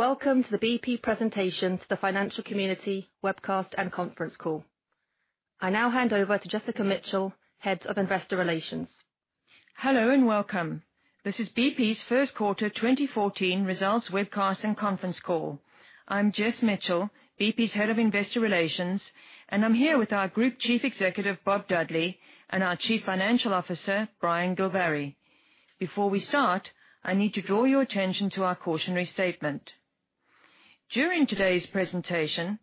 Welcome to the BP presentation to the financial community webcast and conference call. I now hand over to Jessica Mitchell, Head of Investor Relations. Hello, welcome. This is BP's first quarter 2014 results webcast and conference call. I'm Jess Mitchell, BP's Head of Investor Relations, and I'm here with our Group Chief Executive, Bob Dudley, and our Chief Financial Officer, Brian Gilvary. Before we start, I need to draw your attention to our cautionary statement. During today's presentation,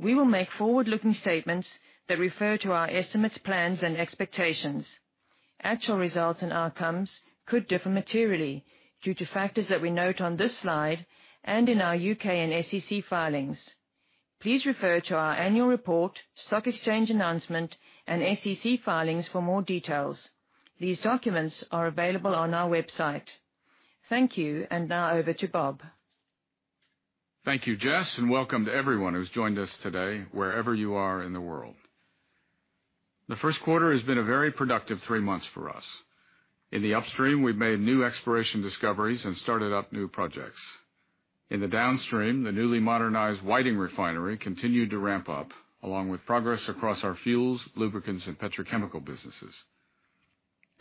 we will make forward-looking statements that refer to our estimates, plans, and expectations. Actual results and outcomes could differ materially due to factors that we note on this slide and in our U.K. and SEC filings. Please refer to our annual report, stock exchange announcement, and SEC filings for more details. These documents are available on our website. Thank you, now over to Bob. Thank you, Jess, welcome to everyone who's joined us today, wherever you are in the world. The first quarter has been a very productive three months for us. In the upstream, we've made new exploration discoveries and started up new projects. In the downstream, the newly modernized Whiting Refinery continued to ramp up, along with progress across our fuels, lubricants, and petrochemical businesses.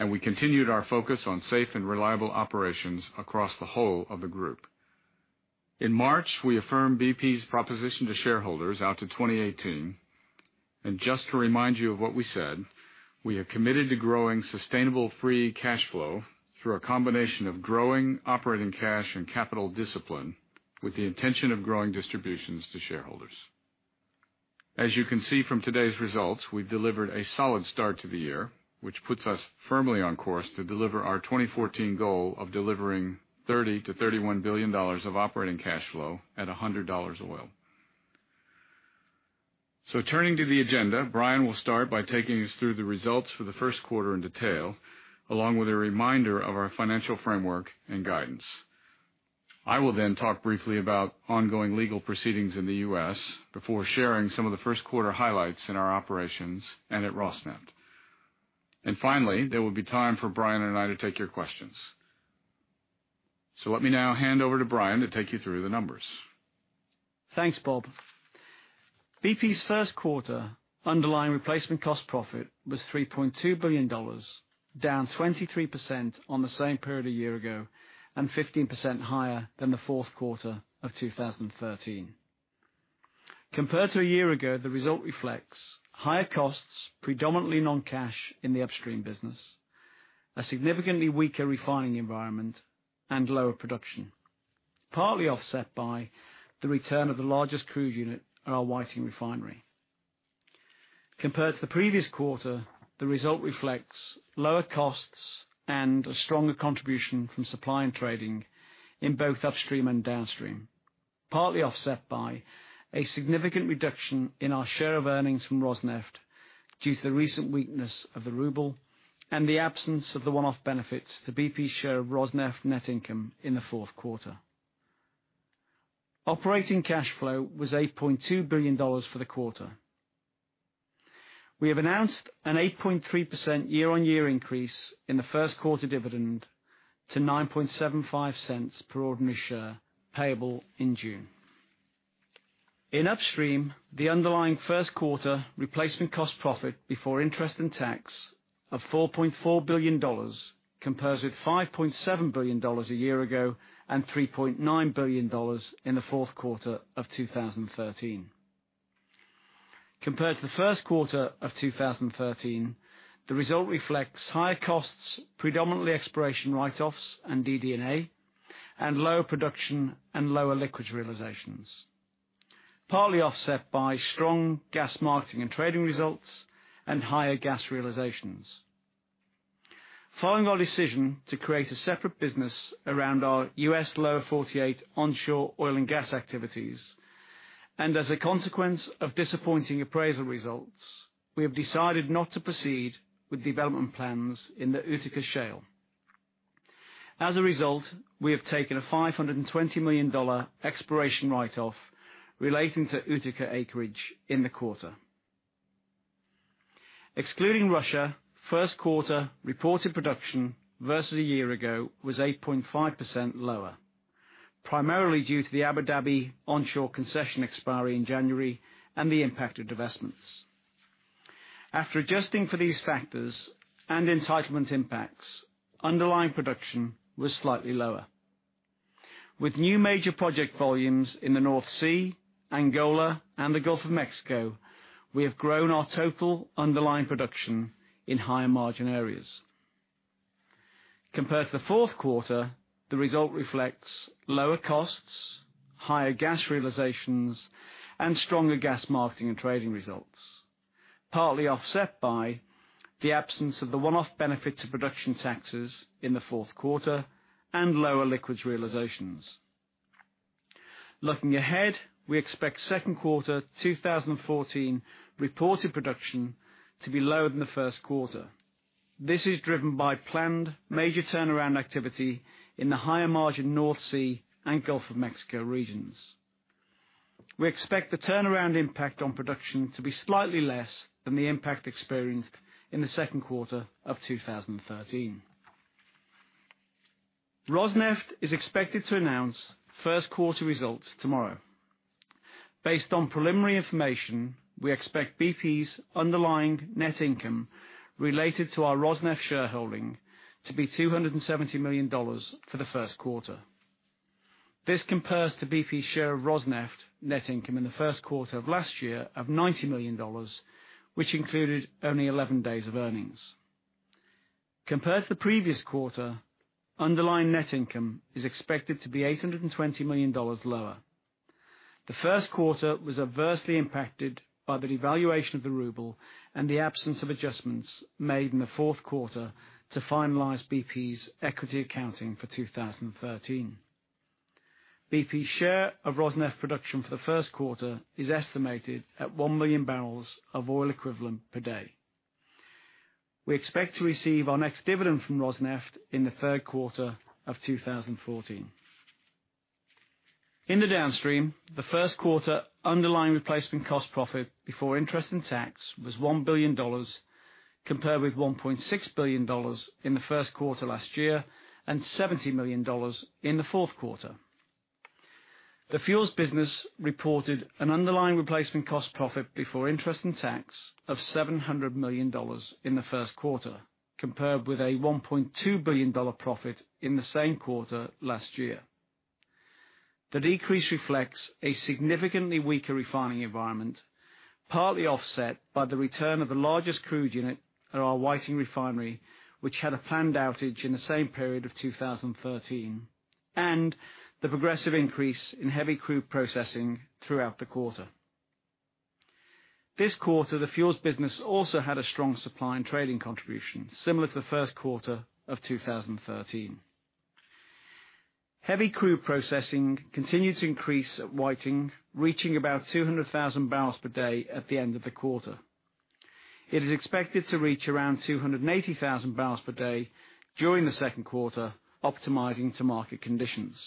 We continued our focus on safe and reliable operations across the whole of the group. In March, we affirmed BP's proposition to shareholders out to 2018. Just to remind you of what we said, we are committed to growing sustainable free cash flow through a combination of growing operating cash and capital discipline with the intention of growing distributions to shareholders. As you can see from today's results, we've delivered a solid start to the year, which puts us firmly on course to deliver our 2014 goal of delivering $30 billion-$31 billion of operating cash flow at $100 oil. Turning to the agenda, Brian will start by taking us through the results for the first quarter in detail, along with a reminder of our financial framework and guidance. I will then talk briefly about ongoing legal proceedings in the U.S. before sharing some of the first quarter highlights in our operations and at Rosneft. Finally, there will be time for Brian and I to take your questions. Let me now hand over to Brian to take you through the numbers. Thanks, Bob. BP's first quarter underlying replacement cost profit was $3.2 billion, down 23% on the same period a year ago and 15% higher than the fourth quarter of 2013. Compared to a year ago, the result reflects higher costs, predominantly non-cash, in the upstream business, a significantly weaker refining environment, and lower production, partly offset by the return of the largest crude unit at our Whiting Refinery. Compared to the previous quarter, the result reflects lower costs and a stronger contribution from supply and trading in both upstream and downstream, partly offset by a significant reduction in our share of earnings from Rosneft due to the recent weakness of the ruble and the absence of the one-off benefit to BP's share of Rosneft net income in the fourth quarter. Operating cash flow was $8.2 billion for the quarter. We have announced an 8.3% year-on-year increase in the first quarter dividend to $0.0975 per ordinary share, payable in June. In upstream, the underlying first quarter replacement cost profit before interest and tax of $4.4 billion compares with $5.7 billion a year ago and $3.9 billion in the fourth quarter of 2013. Compared to the first quarter of 2013, the result reflects higher costs, predominantly exploration write-offs and DD&A, and lower production and lower liquids realizations, partly offset by strong gas marketing and trading results and higher gas realizations. Following our decision to create a separate business around our U.S. Lower 48 onshore oil and gas activities, and as a consequence of disappointing appraisal results, we have decided not to proceed with development plans in the Utica Shale. As a result, we have taken a $520 million exploration write-off relating to Utica acreage in the quarter. Excluding Russia, first quarter reported production versus a year ago was 8.5% lower, primarily due to the Abu Dhabi onshore concession expiry in January and the impact of divestments. After adjusting for these factors and entitlement impacts, underlying production was slightly lower. With new major project volumes in the North Sea, Angola, and the Gulf of Mexico, we have grown our total underlying production in higher margin areas. Compared to the fourth quarter, the result reflects lower costs, higher gas realizations, and stronger gas marketing and trading results, partly offset by the absence of the one-off benefit to production taxes in the fourth quarter and lower liquids realizations. Looking ahead, we expect second quarter 2014 reported production to be lower than the first quarter. This is driven by planned major turnaround activity in the higher margin North Sea and Gulf of Mexico regions. We expect the turnaround impact on production to be slightly less than the impact experienced in the second quarter of 2013. Rosneft is expected to announce first quarter results tomorrow. Based on preliminary information, we expect BP's underlying net income related to our Rosneft shareholding to be $270 million for the first quarter. This compares to BP's share of Rosneft net income in the first quarter of last year of $90 million, which included only 11 days of earnings. Compared to the previous quarter, underlying net income is expected to be $820 million lower. The first quarter was adversely impacted by the devaluation of the ruble and the absence of adjustments made in the fourth quarter to finalize BP's equity accounting for 2013. BP's share of Rosneft production for the first quarter is estimated at one million barrels of oil equivalent per day. We expect to receive our next dividend from Rosneft in the third quarter of 2014. In the Downstream, the first quarter underlying replacement cost profit before interest and tax was $1 billion, compared with $1.6 billion in the first quarter last year and $70 million in the fourth quarter. The fuels business reported an underlying replacement cost profit before interest and tax of $700 million in the first quarter, compared with a $1.2 billion profit in the same quarter last year. The decrease reflects a significantly weaker refining environment, partly offset by the return of the largest crude unit at our Whiting Refinery, which had a planned outage in the same period of 2013, and the progressive increase in heavy crude processing throughout the quarter. This quarter, the fuels business also had a strong supply and trading contribution, similar to the first quarter of 2013. Heavy crude processing continued to increase at Whiting, reaching about 200,000 barrels per day at the end of the quarter. It is expected to reach around 280,000 barrels per day during the second quarter, optimizing to market conditions.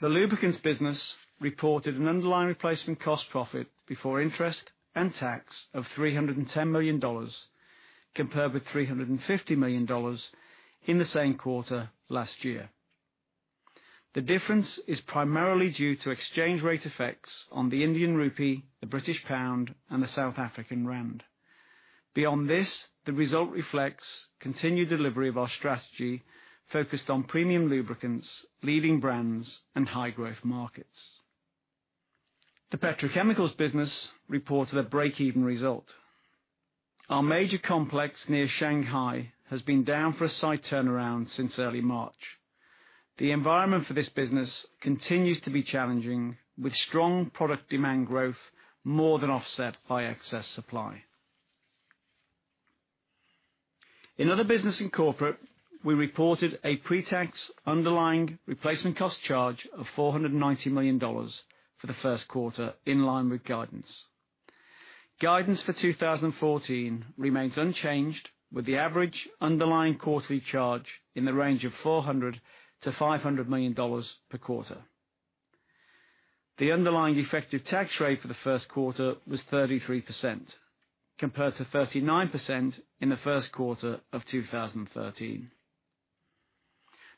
The lubricants business reported an underlying replacement cost profit before interest and tax of $310 million, compared with $350 million in the same quarter last year. The difference is primarily due to exchange rate effects on the Indian rupee, the British pound, and the South African rand. Beyond this, the result reflects continued delivery of our strategy focused on premium lubricants, leading brands, and high growth markets. The petrochemicals business reported a break-even result. Our major complex near Shanghai has been down for a site turnaround since early March. The environment for this business continues to be challenging, with strong product demand growth more than offset by excess supply. In other business and corporate, we reported a pre-tax underlying replacement cost charge of $490 million for the first quarter in line with guidance. Guidance for 2014 remains unchanged, with the average underlying quarterly charge in the range of $400 million to $500 million per quarter. The underlying effective tax rate for the first quarter was 33%, compared to 39% in the first quarter of 2013.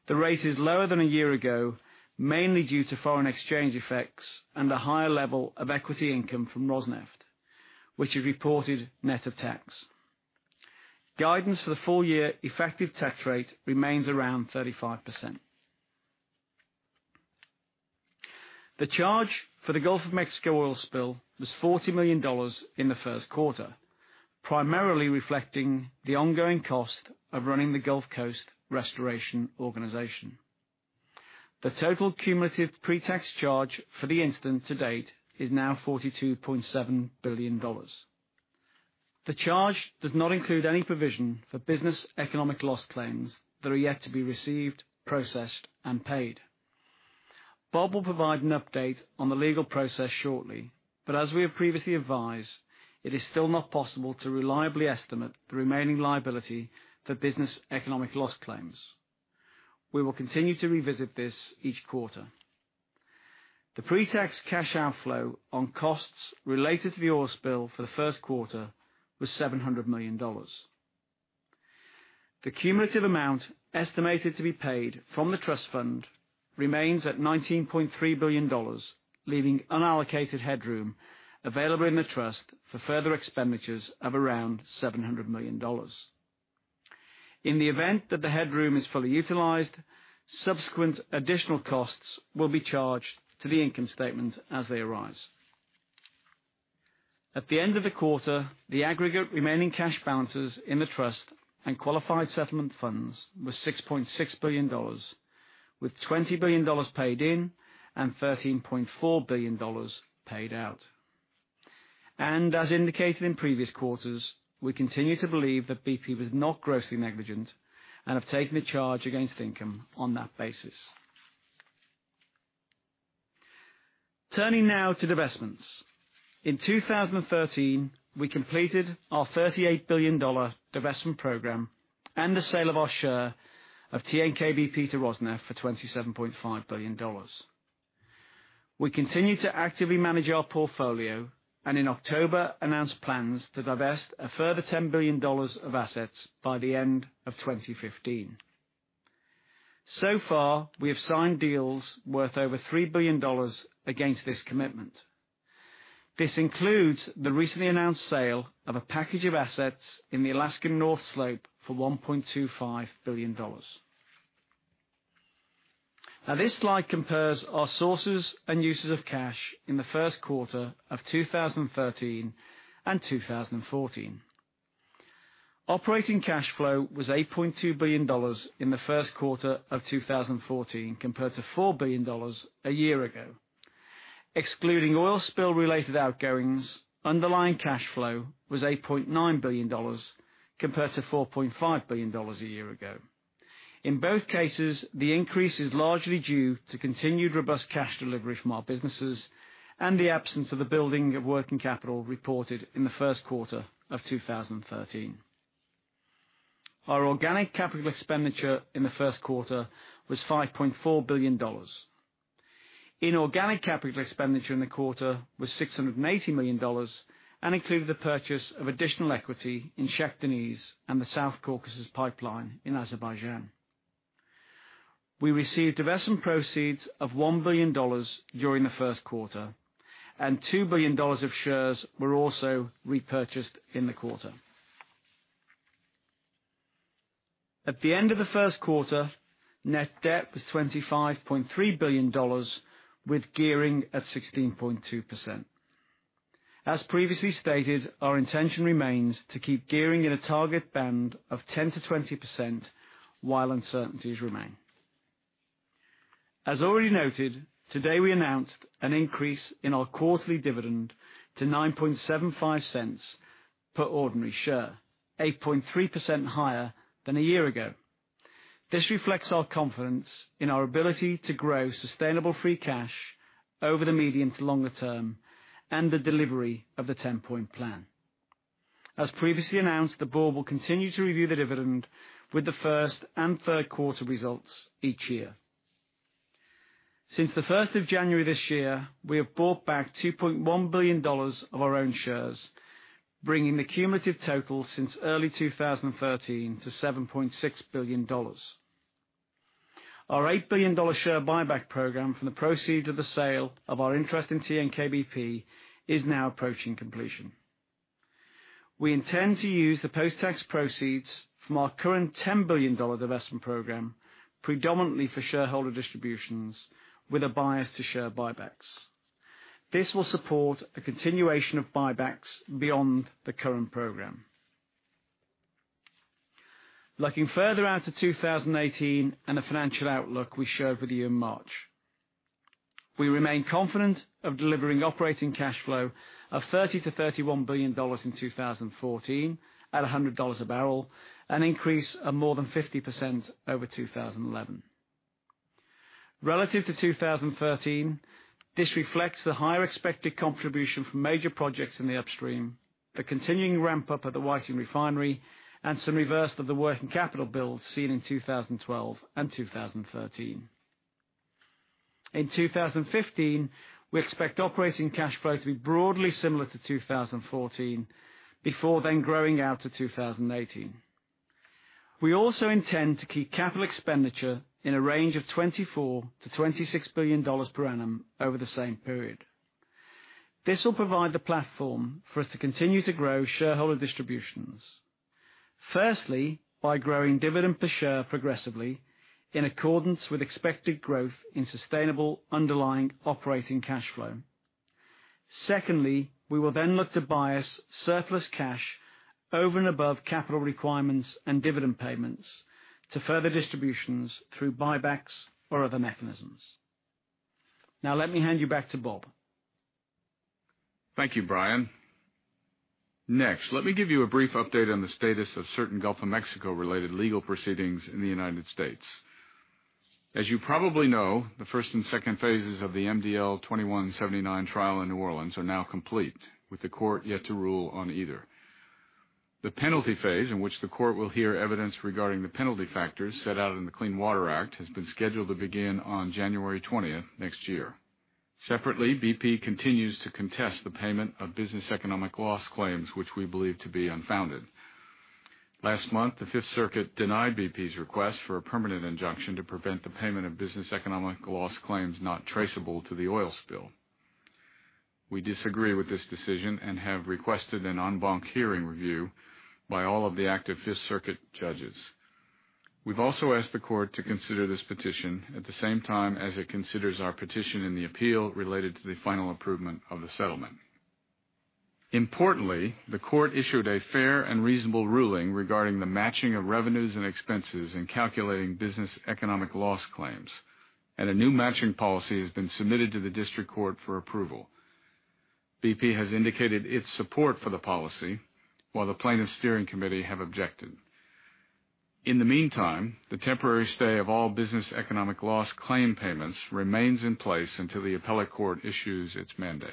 The rate is lower than a year ago, mainly due to foreign exchange effects and a higher level of equity income from Rosneft, which is reported net of tax. Guidance for the full year effective tax rate remains around 35%. The charge for the Gulf of Mexico oil spill was $40 million in the first quarter, primarily reflecting the ongoing cost of running the Gulf Coast Restoration Organization. The total cumulative pre-tax charge for the incident to date is now $42.7 billion. The charge does not include any provision for business economic loss claims that are yet to be received, processed, and paid. Bob will provide an update on the legal process shortly. As we have previously advised, it is still not possible to reliably estimate the remaining liability for business economic loss claims. We will continue to revisit this each quarter. The pre-tax cash outflow on costs related to the oil spill for the first quarter was $700 million. The cumulative amount estimated to be paid from the trust fund remains at $19.3 billion, leaving unallocated headroom available in the trust for further expenditures of around $700 million. In the event that the headroom is fully utilized, subsequent additional costs will be charged to the income statement as they arise. At the end of the quarter, the aggregate remaining cash balances in the trust and qualified settlement funds were $6.6 billion, with $20 billion paid in and $13.4 billion paid out. As indicated in previous quarters, we continue to believe that BP was not grossly negligent and have taken a charge against income on that basis. Turning now to divestments. In 2013, we completed our $38 billion divestment program and the sale of our share of TNK-BP to Rosneft for $27.5 billion. We continue to actively manage our portfolio, and in October, announced plans to divest a further $10 billion of assets by the end of 2015. So far, we have signed deals worth over $3 billion against this commitment. This includes the recently announced sale of a package of assets in the Alaskan North Slope for $1.25 billion. This slide compares our sources and uses of cash in the first quarter of 2013 and 2014. Operating cash flow was $8.2 billion in the first quarter of 2014, compared to $4 billion a year ago. Excluding oil spill related outgoings, underlying cash flow was $8.9 billion compared to $4.5 billion a year ago. In both cases, the increase is largely due to continued robust cash delivery from our businesses and the absence of the building of working capital reported in the first quarter of 2013. Our organic capital expenditure in the first quarter was $5.4 billion. Inorganic capital expenditure in the quarter was $680 million and included the purchase of additional equity in Shah Deniz and the South Caucasus Pipeline in Azerbaijan. We received investment proceeds of $1 billion during the first quarter, and $2 billion of shares were also repurchased in the quarter. At the end of the first quarter, net debt was $25.3 billion with gearing at 16.2%. Previously stated, our intention remains to keep gearing in a target band of 10%-20% while uncertainties remain. Already noted, today we announced an increase in our quarterly dividend to $0.0975 per ordinary share, 8.3% higher than a year ago. This reflects our confidence in our ability to grow sustainable free cash over the medium to longer term and the delivery of the 10-point plan. As previously announced, the board will continue to review the dividend with the first and third quarter results each year. Since the 1st of January this year, we have bought back $2.1 billion of our own shares, bringing the cumulative total since early 2013 to $7.6 billion. Our $8 billion share buyback program from the proceed of the sale of our interest in TNK-BP is now approaching completion. We intend to use the post-tax proceeds from our current $10 billion investment program predominantly for shareholder distributions with a bias to share buybacks. This will support a continuation of buybacks beyond the current program. Looking further out to 2018 and the financial outlook we showed for the year in March. We remain confident of delivering operating cash flow of $30 billion-$31 billion in 2014 at $100 a barrel, an increase of more than 50% over 2011. Relative to 2013, this reflects the higher expected contribution from major projects in the upstream, the continuing ramp-up at the Whiting Refinery, and some reverse of the working capital build seen in 2012 and 2013. In 2015, we expect operating cash flow to be broadly similar to 2014, before then growing out to 2018. We also intend to keep capital expenditure in a range of $24 billion-$26 billion per annum over the same period. This will provide the platform for us to continue to grow shareholder distributions. Firstly, by growing dividend per share progressively in accordance with expected growth in sustainable underlying operating cash flow. Secondly, we will then look to bias surplus cash over and above capital requirements and dividend payments to further distributions through buybacks or other mechanisms. Now let me hand you back to Bob. Thank you, Brian. Next, let me give you a brief update on the status of certain Gulf of Mexico related legal proceedings in the United States. As you probably know, the first and second phases of the MDL 2179 trial in New Orleans are now complete, with the court yet to rule on either. The penalty phase, in which the court will hear evidence regarding the penalty factors set out in the Clean Water Act, has been scheduled to begin on January 20th next year. Separately, BP continues to contest the payment of business economic loss claims, which we believe to be unfounded. Last month, the Fifth Circuit denied BP's request for a permanent injunction to prevent the payment of business economic loss claims not traceable to the oil spill. We disagree with this decision and have requested an en banc hearing review by all of the active Fifth Circuit judges. We've also asked the court to consider this petition at the same time as it considers our petition in the appeal related to the final improvement of the settlement. Importantly, the court issued a fair and reasonable ruling regarding the matching of revenues and expenses in calculating business economic loss claims, and a new matching policy has been submitted to the district court for approval. BP has indicated its support for the policy, while the plaintiffs' steering committee have objected. In the meantime, the temporary stay of all business economic loss claim payments remains in place until the appellate court issues its mandate.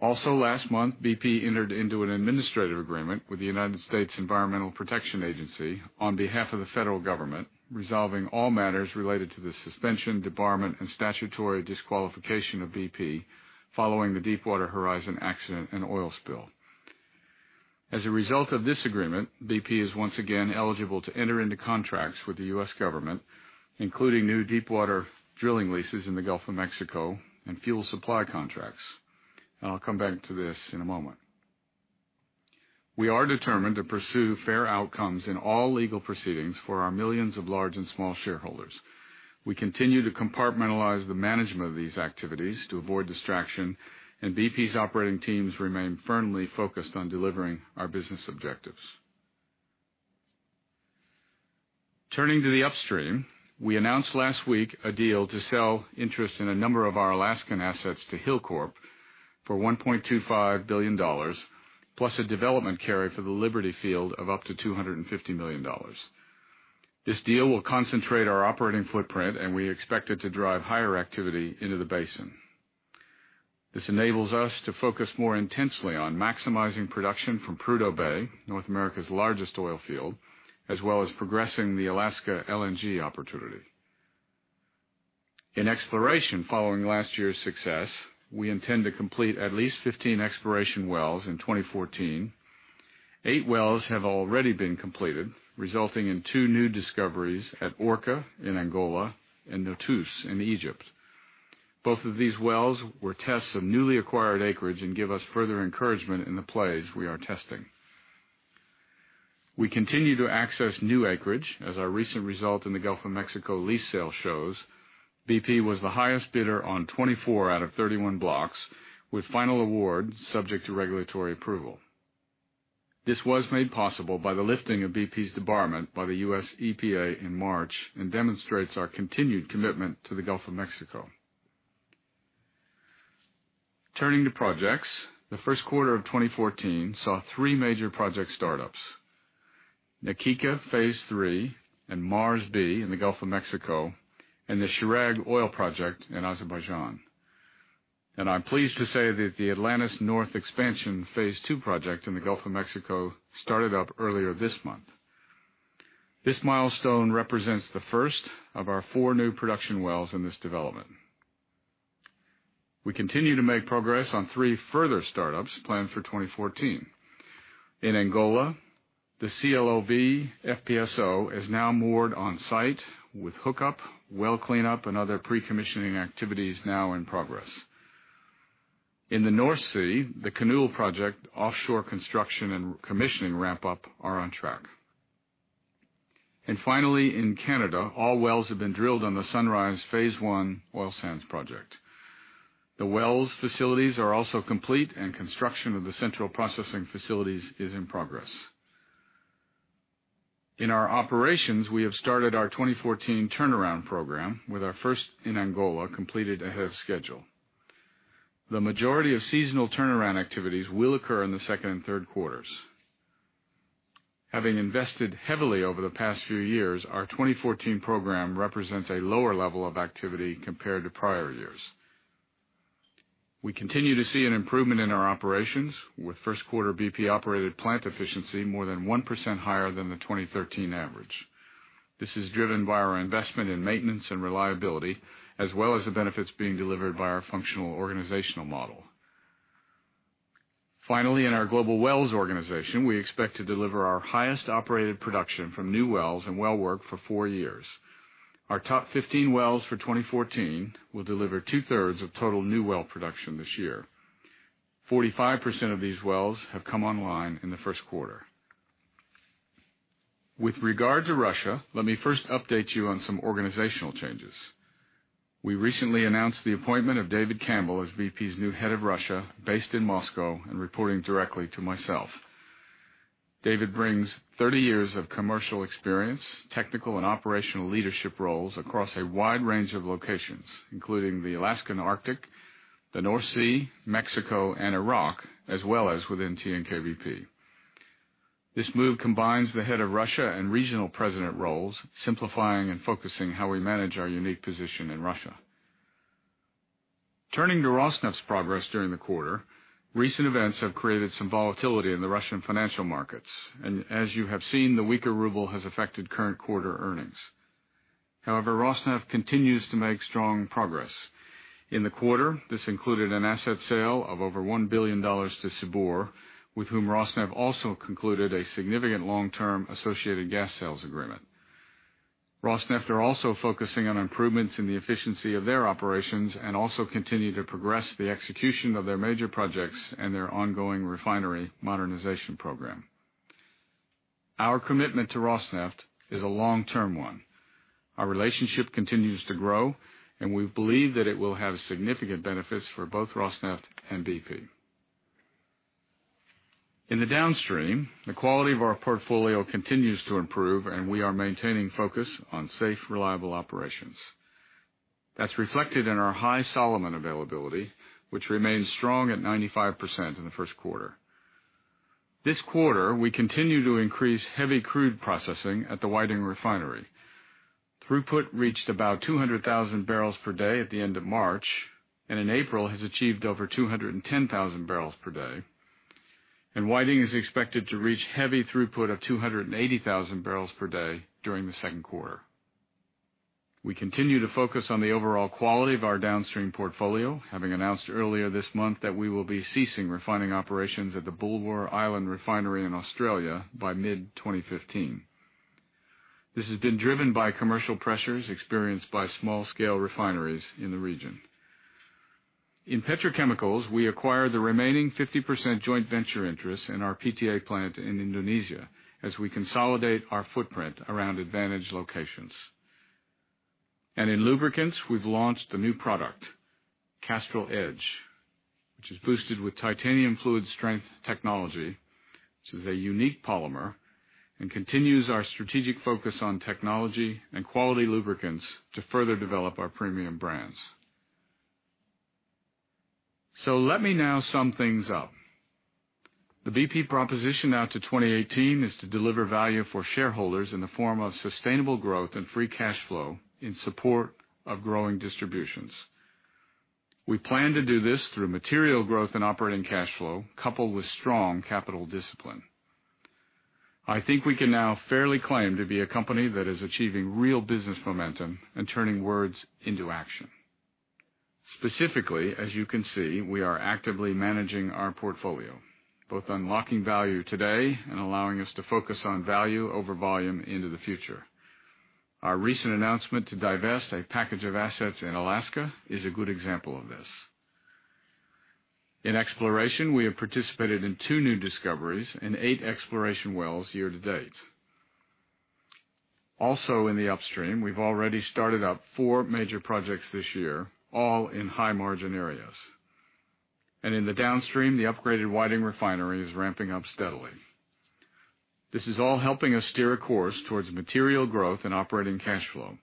Also, last month, BP entered into an administrative agreement with the United States Environmental Protection Agency on behalf of the federal government, resolving all matters related to the suspension, debarment, and statutory disqualification of BP following the Deepwater Horizon accident and oil spill. As a result of this agreement, BP is once again eligible to enter into contracts with the U.S. government, including new deepwater drilling leases in the Gulf of Mexico and fuel supply contracts. I'll come back to this in a moment. We are determined to pursue fair outcomes in all legal proceedings for our millions of large and small shareholders. We continue to compartmentalize the management of these activities to avoid distraction, and BP's operating teams remain firmly focused on delivering our business objectives. Turning to the upstream, we announced last week a deal to sell interest in a number of our Alaskan assets to Hilcorp for $1.25 billion, plus a development carry for the Liberty field of up to $250 million. This deal will concentrate our operating footprint, and we expect it to drive higher activity into the basin. This enables us to focus more intensely on maximizing production from Prudhoe Bay, North America's largest oil field, as well as progressing the Alaska LNG opportunity. In exploration, following last year's success, we intend to complete at least 15 exploration wells in 2014. Eight wells have already been completed, resulting in two new discoveries at Orca in Angola and Notus in Egypt. Both of these wells were tests of newly acquired acreage and give us further encouragement in the plays we are testing. We continue to access new acreage, as our recent result in the Gulf of Mexico lease sale shows. BP was the highest bidder on 24 out of 31 blocks, with final award subject to regulatory approval. This was made possible by the lifting of BP's debarment by the USEPA in March and demonstrates our continued commitment to the Gulf of Mexico. Turning to projects, the first quarter of 2014 saw three major project startups: Na Kika Phase 3 and Mars B in the Gulf of Mexico, and the Chirag oil project in Azerbaijan. I'm pleased to say that the Atlantis North Expansion Phase 2 project in the Gulf of Mexico started up earlier this month. This milestone represents the first of our four new production wells in this development. We continue to make progress on three further startups planned for 2014. In Angola, the CLOV FPSO is now moored on site, with hookup, well cleanup, and other pre-commissioning activities now in progress. In the North Sea, the Kinnoull project offshore construction and commissioning ramp-up are on track. Finally, in Canada, all wells have been drilled on the Sunrise Phase 1 oil sands project. The wells facilities are also complete and construction of the central processing facilities is in progress. In our operations, we have started our 2014 turnaround program, with our first in Angola completed ahead of schedule. The majority of seasonal turnaround activities will occur in the second and third quarters. Having invested heavily over the past few years, our 2014 program represents a lower level of activity compared to prior years. We continue to see an improvement in our operations, with first quarter BP-operated plant efficiency more than 1% higher than the 2013 average. This is driven by our investment in maintenance and reliability, as well as the benefits being delivered by our functional organizational model. Finally, in our global wells organization, we expect to deliver our highest operated production from new wells and well work for four years. Our top 15 wells for 2014 will deliver two-thirds of total new well production this year. 45% of these wells have come online in the first quarter. With regard to Russia, let me first update you on some organizational changes. We recently announced the appointment of David Campbell as BP's new head of Russia, based in Moscow and reporting directly to myself. David brings 30 years of commercial experience, technical and operational leadership roles across a wide range of locations, including the Alaskan Arctic, the North Sea, Mexico, and Iraq, as well as within TNK-BP. This move combines the head of Russia and regional president roles, simplifying and focusing how we manage our unique position in Russia. Turning to Rosneft's progress during the quarter, recent events have created some volatility in the Russian financial markets, and as you have seen, the weaker ruble has affected current quarter earnings. However, Rosneft continues to make strong progress. In the quarter, this included an asset sale of over $1 billion to Sibur, with whom Rosneft also concluded a significant long-term associated gas sales agreement. Rosneft are also focusing on improvements in the efficiency of their operations and also continue to progress the execution of their major projects and their ongoing refinery modernization program. Our commitment to Rosneft is a long-term one. Our relationship continues to grow, and we believe that it will have significant benefits for both Rosneft and BP. In the downstream, the quality of our portfolio continues to improve, and we are maintaining focus on safe, reliable operations. That's reflected in our high Solomon availability, which remains strong at 95% in the first quarter. This quarter, we continue to increase heavy crude processing at the Whiting Refinery. Throughput reached about 200,000 barrels per day at the end of March, and in April has achieved over 210,000 barrels per day. Whiting is expected to reach heavy throughput of 280,000 barrels per day during the second quarter. We continue to focus on the overall quality of our downstream portfolio, having announced earlier this month that we will be ceasing refining operations at the Bulwer Island Refinery in Australia by mid-2015. This has been driven by commercial pressures experienced by small scale refineries in the region. In petrochemicals, we acquired the remaining 50% joint venture interest in our PTA plant in Indonesia as we consolidate our footprint around advantage locations. In lubricants, we've launched a new product, Castrol EDGE, which is boosted with Fluid TITANIUM Technology, which is a unique polymer, and continues our strategic focus on technology and quality lubricants to further develop our premium brands. Let me now sum things up. The BP proposition out to 2018 is to deliver value for shareholders in the form of sustainable growth and free cash flow in support of growing distributions. We plan to do this through material growth and operating cash flow, coupled with strong capital discipline. I think we can now fairly claim to be a company that is achieving real business momentum and turning words into action. As you can see, we are actively managing our portfolio, both unlocking value today and allowing us to focus on value over volume into the future. Our recent announcement to divest a package of assets in Alaska is a good example of this. In exploration, we have participated in two new discoveries and eight exploration wells year to date. In the upstream, we've already started up four major projects this year, all in high margin areas. In the downstream, the upgraded Whiting Refinery is ramping up steadily. This is all helping us steer a course towards material growth and operating cash flow.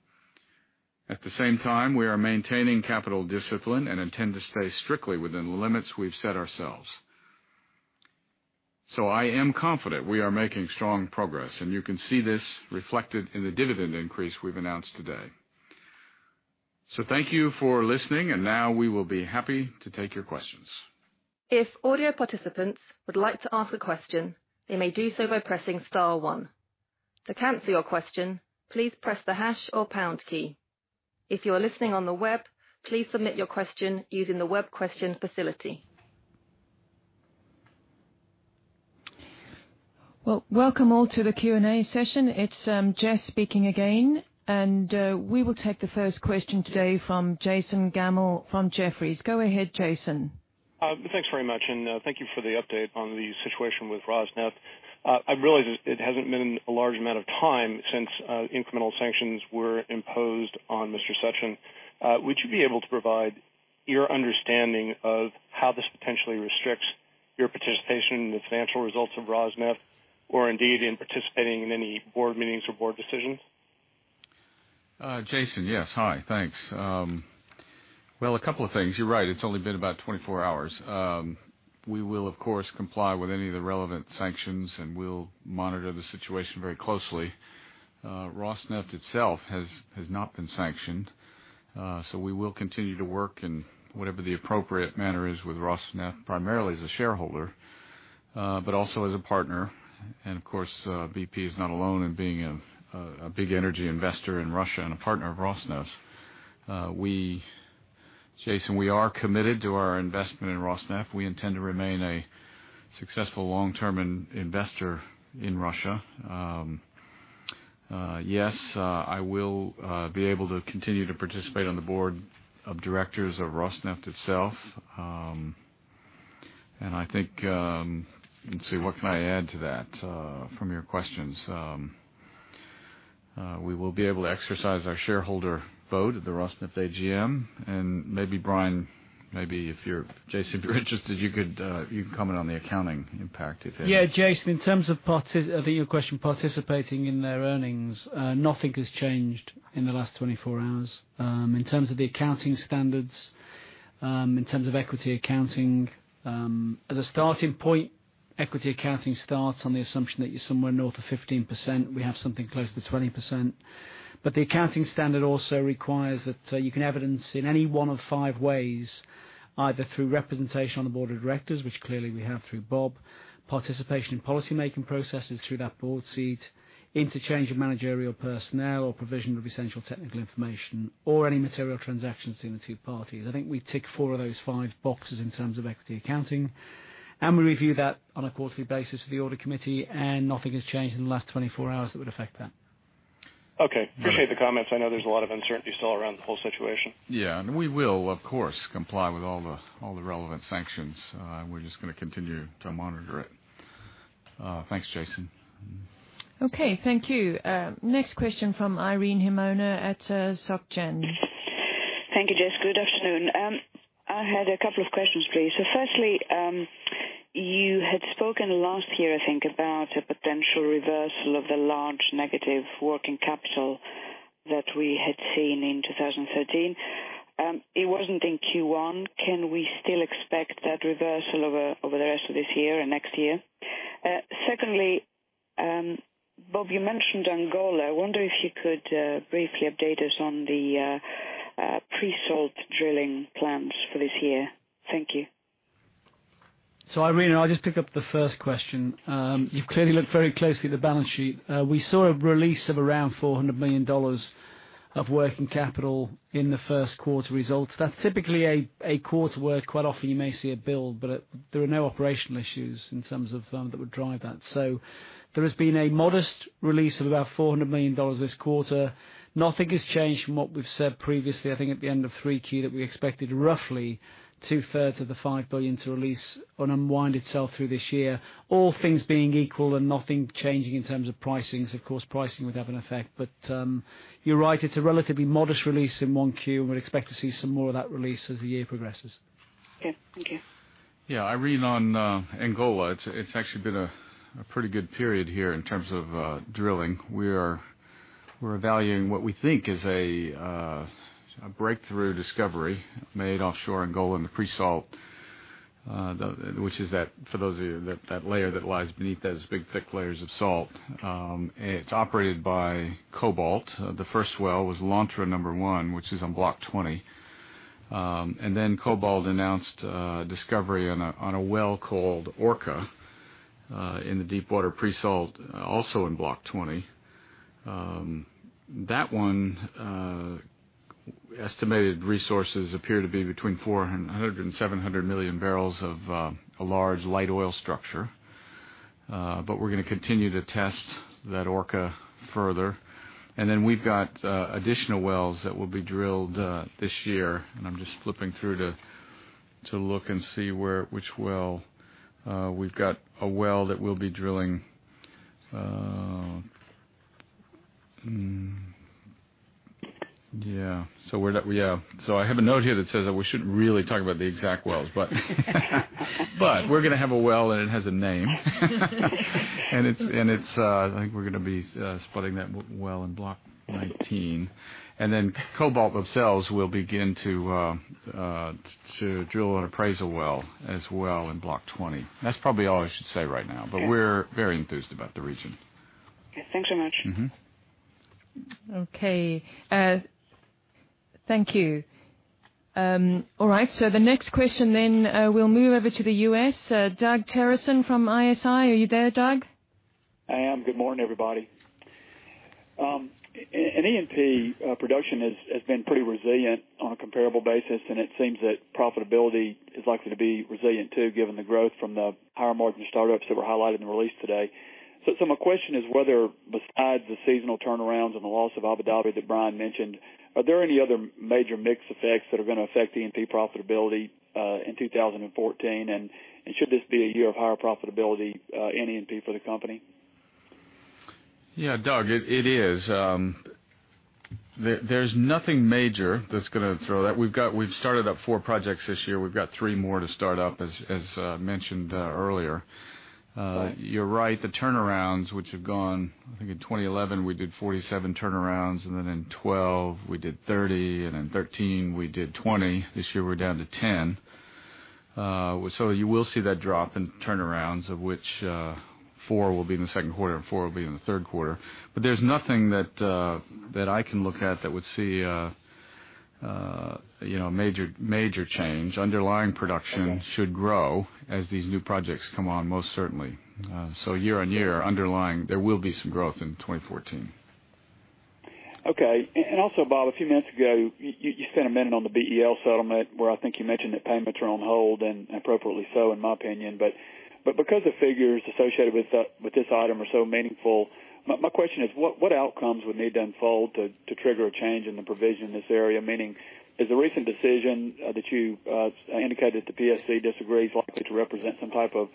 At the same time, we are maintaining capital discipline and intend to stay strictly within the limits we've set ourselves. I am confident we are making strong progress, and you can see this reflected in the dividend increase we've announced today. Thank you for listening, and now we will be happy to take your questions. If audio participants would like to ask a question, they may do so by pressing star one. To cancel your question, please press the hash or pound key. If you are listening on the web, please submit your question using the web question facility. Well, welcome all to the Q&A session. It's Jess speaking again, and we will take the first question today from Jason Gammel from Jefferies. Go ahead, Jason. Thanks very much, thank you for the update on the situation with Rosneft. I realize it hasn't been a large amount of time since incremental sanctions were imposed on Mr. Sechin. Would you be able to provide your understanding of how this potentially restricts your participation in the financial results of Rosneft, or indeed in participating in any board meetings or board decisions? Jason, yes. Hi, thanks. Well, a couple of things. You're right, it's only been about 24 hours. We will, of course, comply with any of the relevant sanctions, and we'll monitor the situation very closely. Rosneft itself has not been sanctioned, so we will continue to work in whatever the appropriate manner is with Rosneft, primarily as a shareholder, but also as a partner. Of course, BP is not alone in being a big energy investor in Russia and a partner of Rosneft. Jason, we are committed to our investment in Rosneft. We intend to remain a successful long-term investor in Russia. Yes, I will be able to continue to participate on the board of directors of Rosneft itself. I think Let me see, what can I add to that from your questions? We will be able to exercise our shareholder vote at the Rosneft AGM. Maybe Brian, maybe Jason, if you're interested, you can comment on the accounting impact if any. Yeah, Jason, in terms of your question, participating in their earnings, nothing has changed in the last 24 hours. In terms of the accounting standards, in terms of equity accounting, as a starting point, equity accounting starts on the assumption that you're somewhere north of 15%. We have something close to 20%. The accounting standard also requires that you can evidence in any one of five ways, either through representation on the board of directors, which clearly we have through Bob, participation in policy making processes through that board seat, interchange of managerial personnel or provision of essential technical information or any material transactions between the two parties. I think we tick four of those five boxes in terms of equity accounting. We review that on a quarterly basis with the audit committee, and nothing has changed in the last 24 hours that would affect that. Okay. Appreciate the comments. I know there's a lot of uncertainty still around the whole situation. Yeah. We will, of course, comply with all the relevant sanctions. We're just going to continue to monitor it. Thanks, Jason. Okay, thank you. Next question from Irene Himona at Société Générale. Thank you, Jess. Good afternoon. I had a couple of questions for you. Firstly, you had spoken last year, I think, about a potential reversal of the large negative working capital that we had seen in 2013. It wasn't in Q1. Can we still expect that reversal over the rest of this year and next year? Secondly, Bob, you mentioned Angola. I wonder if you could briefly update us on the pre-salt drilling plans for this year. Thank you. Irene, I'll just pick up the first question. You've clearly looked very closely at the balance sheet. We saw a release of around GBP 400 million of working capital in the first quarter results. That's typically a quarter where quite often you may see a build, but there are no operational issues in terms of that would drive that. There has been a modest release of about GBP 400 million this quarter. Nothing has changed from what we've said previously, I think at the end of 3Q, that we expected roughly two-thirds of the 5 billion to release or unwind itself through this year. All things being equal and nothing changing in terms of pricings. Of course, pricing would have an effect. You're right, it's a relatively modest release in 1Q, and we'd expect to see some more of that release as the year progresses. Okay. Thank you. Yeah, Irene, on Angola, it's actually been a pretty good period here in terms of drilling. We're evaluating what we think is a breakthrough discovery made offshore Angola in the pre-salt, which is that for those of you, that layer that lies beneath those big thick layers of salt. It's operated by Cobalt. The first well was Lontra number 1, which is on Block 20. Cobalt announced a discovery on a well called Orca, in the deep water pre-salt, also in Block 20. That one, estimated resources appear to be between 400 and 700 million barrels of a large light oil structure. We're going to continue to test that Orca further. We've got additional wells that will be drilled this year. I'm just flipping through to look and see which well. We've got a well that we'll be drilling. Yeah. I have a note here that says that we shouldn't really talk about the exact wells. We're going to have a well, and it has a name. I think we're going to be splitting that well in Block 19. Cobalt themselves will begin to drill an appraisal well as well in Block 20. That's probably all I should say right now. Yeah. We're very enthused about the region. Okay, thanks so much. Okay. Thank you. All right, the next question, we'll move over to the U.S. Doug Terreson from ISI. Are you there, Doug? I am. Good morning, everybody. In E&P, production has been pretty resilient on a comparable basis, and it seems that profitability is likely to be resilient, too, given the growth from the higher-margin startups that were highlighted in the release today. My question is whether, besides the seasonal turnarounds and the loss of Abu Dhabi that Brian mentioned, are there any other major mix effects that are going to affect E&P profitability in 2014? Should this be a year of higher profitability in E&P for the company? Yeah, Doug, it is. There's nothing major that's going to throw that. We've started up four projects this year. We've got three more to start up, as mentioned earlier. Right. You're right, the turnarounds which have gone, I think in 2011, we did 47 turnarounds, then in 2012, we did 30, and in 2013, we did 20. This year, we're down to 10. You will see that drop in turnarounds, of which four will be in the second quarter and four will be in the third quarter. There's nothing that I can look at that would see a major change. Underlying production Okay should grow as these new projects come on, most certainly. Year-over-year underlying, there will be some growth in 2014. Okay. Also, Bob, a few minutes ago, you spent a minute on the BEL settlement, where I think you mentioned that payments are on hold, and appropriately so, in my opinion. Because the figures associated with this item are so meaningful, my question is what outcomes would need to unfold to trigger a change in the provision in this area? Meaning, is the recent decision that you indicated the PSC disagrees likely to represent some type of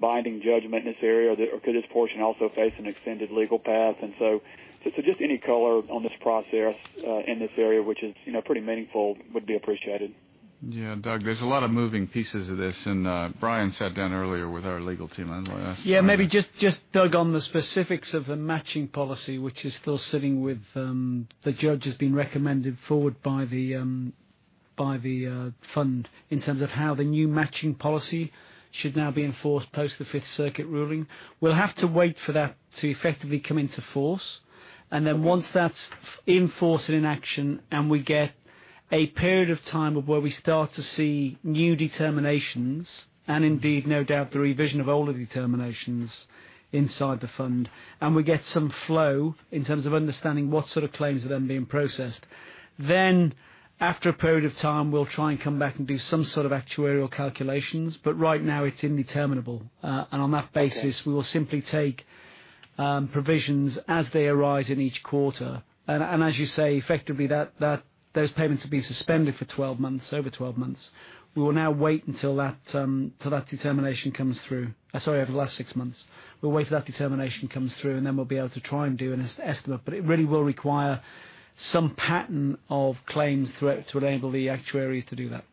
binding judgment in this area, or could this portion also face an extended legal path? Just any color on this process in this area, which is pretty meaningful, would be appreciated. Yeah. Doug, there's a lot of moving pieces of this, and Brian sat down earlier with our legal team and lawyers. Maybe just Doug on the specifics of the matching policy, which is still sitting with the judge, has been recommended forward by the fund in terms of how the new matching policy should now be enforced post the Fifth Circuit ruling. We'll have to wait for that to effectively come into force. Once that's in force and in action, and we get a period of time of where we start to see new determinations, and indeed, no doubt the revision of older determinations inside the fund, and we get some flow in terms of understanding what sort of claims are then being processed. After a period of time, we'll try and come back and do some sort of actuarial calculations. Right now it's indeterminable. On that basis. Okay We will simply take provisions as they arise in each quarter. As you say, effectively those payments have been suspended for 12 months. We will now wait until that determination comes through. Sorry, over the last six months. We'll wait till that determination comes through, and then we'll be able to try and do an estimate. It really will require some pattern of claims threats would enable the actuaries to do that.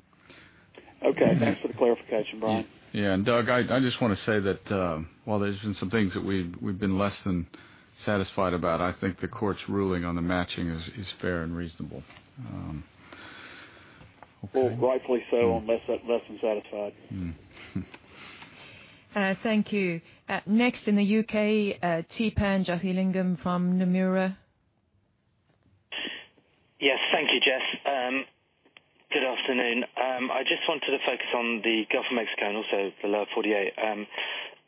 Okay. Thanks for the clarification, Brian. Doug, I just want to say that, while there's been some things that we've been less than satisfied about, I think the court's ruling on the matching is fair and reasonable. Well, rightfully so, I'm less than satisfied. Thank you. Next in the U.K., Theepan Jothilingam from Nomura. Yes. Thank you, Jess. Good afternoon. I just wanted to focus on the Gulf of Mexico and also the Lower 48.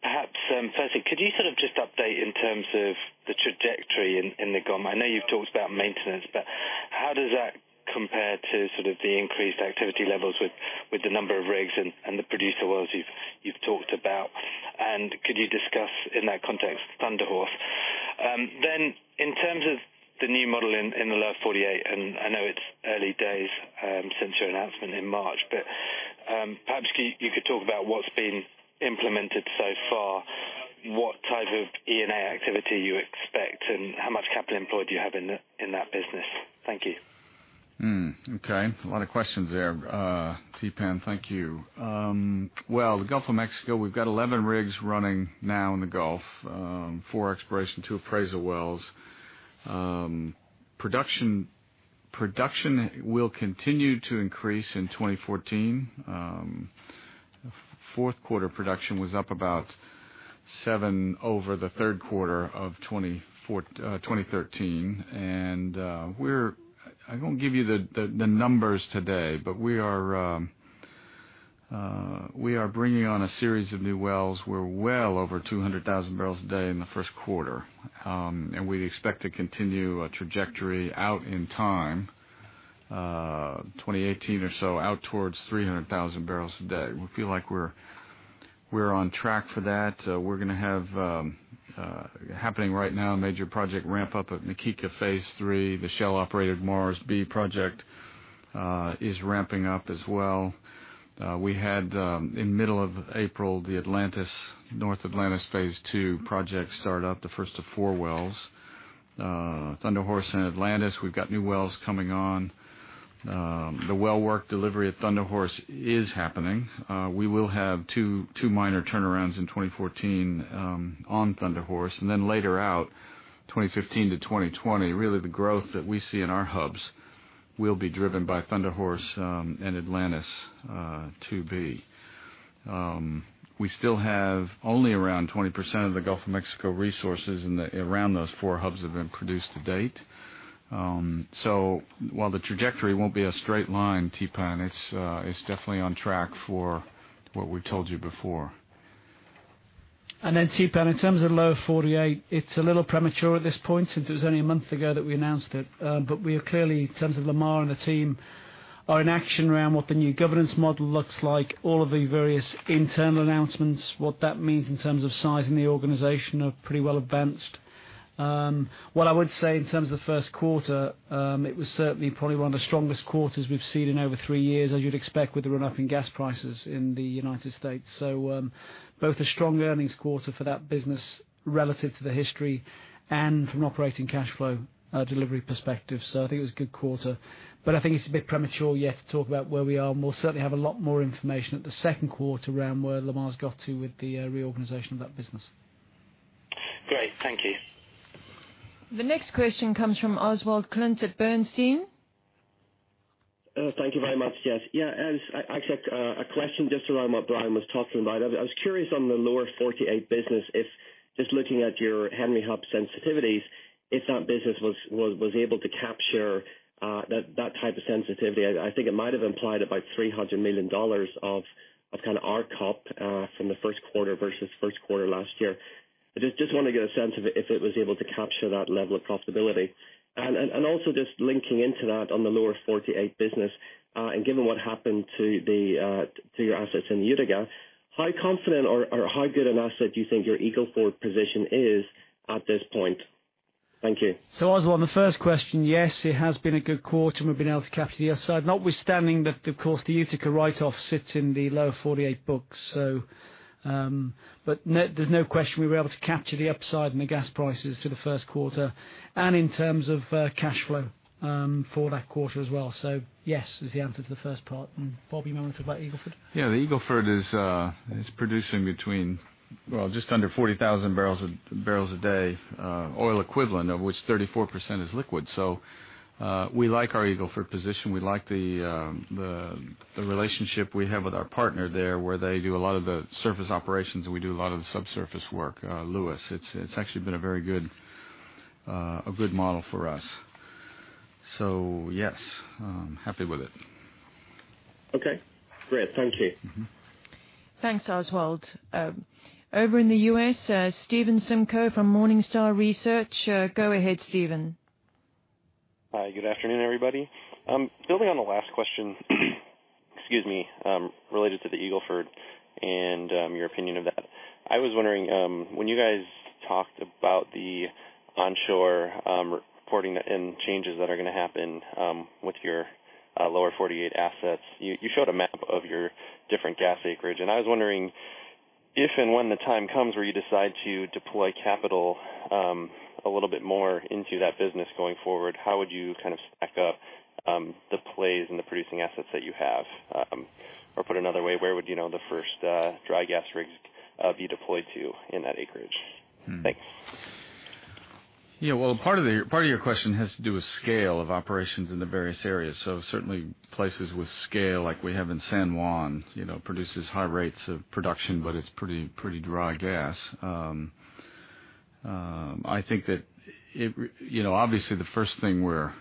Perhaps firstly, could you sort of just update in terms of the trajectory in the GOM? I know you've talked about maintenance, but how does that compare to sort of the increased activity levels with the number of rigs and the producer wells you've talked about? Could you discuss, in that context, Thunder Horse? In terms of the new model in the Lower 48, I know it's early days since your announcement in March, but perhaps you could talk about what's been implemented so far, what type of E&A activity you expect, and how much capital employed you have in that business. Thank you. Okay. A lot of questions there, Theepan. Thank you. Well, the Gulf of Mexico, we've got 11 rigs running now in the Gulf, four exploration, two appraisal wells. Production will continue to increase in 2014. Fourth quarter production was up about seven over the third quarter of 2013. I won't give you the numbers today, but we are bringing on a series of new wells. We're well over 200,000 barrels a day in the first quarter. We expect to continue a trajectory out in time, 2018 or so, out towards 300,000 barrels a day. We feel like we're on track for that. We're gonna have happening right now a major project ramp-up at Na Kika Phase 3. The Shell-operated Mars B project is ramping up as well. We had, in middle of April, the North Atlantis Phase 2 project start up, the first of four wells. Thunder Horse and Atlantis, we've got new wells coming on. The well work delivery at Thunder Horse is happening. We will have two minor turnarounds in 2014 on Thunder Horse, and then later out, 2015 to 2020, really the growth that we see in our hubs will be driven by Thunder Horse and Atlantis 2B. We still have only around 20% of the Gulf of Mexico resources around those four hubs have been produced to date. While the trajectory won't be a straight line, Theepan, it's definitely on track for what we told you before. Theepan, in terms of Lower 48, it's a little premature at this point since it was only a month ago that we announced it. We are clearly, in terms of Lamar and the team, are in action around what the new governance model looks like. All of the various internal announcements, what that means in terms of sizing the organization, are pretty well advanced. What I would say in terms of the first quarter, it was certainly probably one of the strongest quarters we've seen in over three years, as you'd expect with the run-up in gas prices in the United States. Both a strong earnings quarter for that business relative to the history and from operating cash flow delivery perspective. I think it was a good quarter, but I think it's a bit premature yet to talk about where we are, and we'll certainly have a lot more information at the second quarter around where Lamar's got to with the reorganization of that business. Great. Thank you. The next question comes from Oswald Clint at Bernstein. Thank you very much, Jess. Actually a question just around what Brian was talking about. I was curious on the Lower 48 business if, just looking at your Henry Hub sensitivities, if that business was able to capture that type of sensitivity. I think it might have implied about $300 million of kind of RCOP from the first quarter versus first quarter last year. I just want to get a sense of if it was able to capture that level of profitability. Also just linking into that on the Lower 48 business, and given what happened to your assets in Utica, how confident or how good an asset do you think your Eagle Ford position is at this point? Thank you. Oswald, on the first question, yes, it has been a good quarter, and we've been able to capture the upside. Notwithstanding that, of course, the Utica write-off sits in the Lower 48 books. There's no question we were able to capture the upside in the gas prices for the first quarter and in terms of cash flow for that quarter as well. Yes, is the answer to the first part. Bob, you want to talk about Eagle Ford? The Eagle Ford is producing between just under 40,000 barrels a day oil equivalent, of which 34% is liquid. We like our Eagle Ford position. We like the relationship we have with our partner there, where they do a lot of the surface operations, and we do a lot of the subsurface work, Lewis. It's actually been a very good model for us. Yes. I'm happy with it. Okay, great. Thank you. Thanks, Oswald. Over in the U.S., Stephen Simko from Morningstar Research. Go ahead, Stephen. Hi, good afternoon, everybody. Building on the last question excuse me, related to the Eagle Ford and your opinion of that. I was wondering, when you guys talked about the onshore reporting and changes that are gonna happen with your Lower 48 assets, you showed a map of your different gas acreage. I was wondering If and when the time comes where you decide to deploy capital a little bit more into that business going forward, how would you stack up the plays and the producing assets that you have? Put another way, where would the first dry gas rigs be deployed to in that acreage? Thanks. Yeah. Part of your question has to do with scale of operations in the various areas. Certainly places with scale, like we have in San Juan, produces high rates of production, but it's pretty dry gas. Obviously, the first thing we're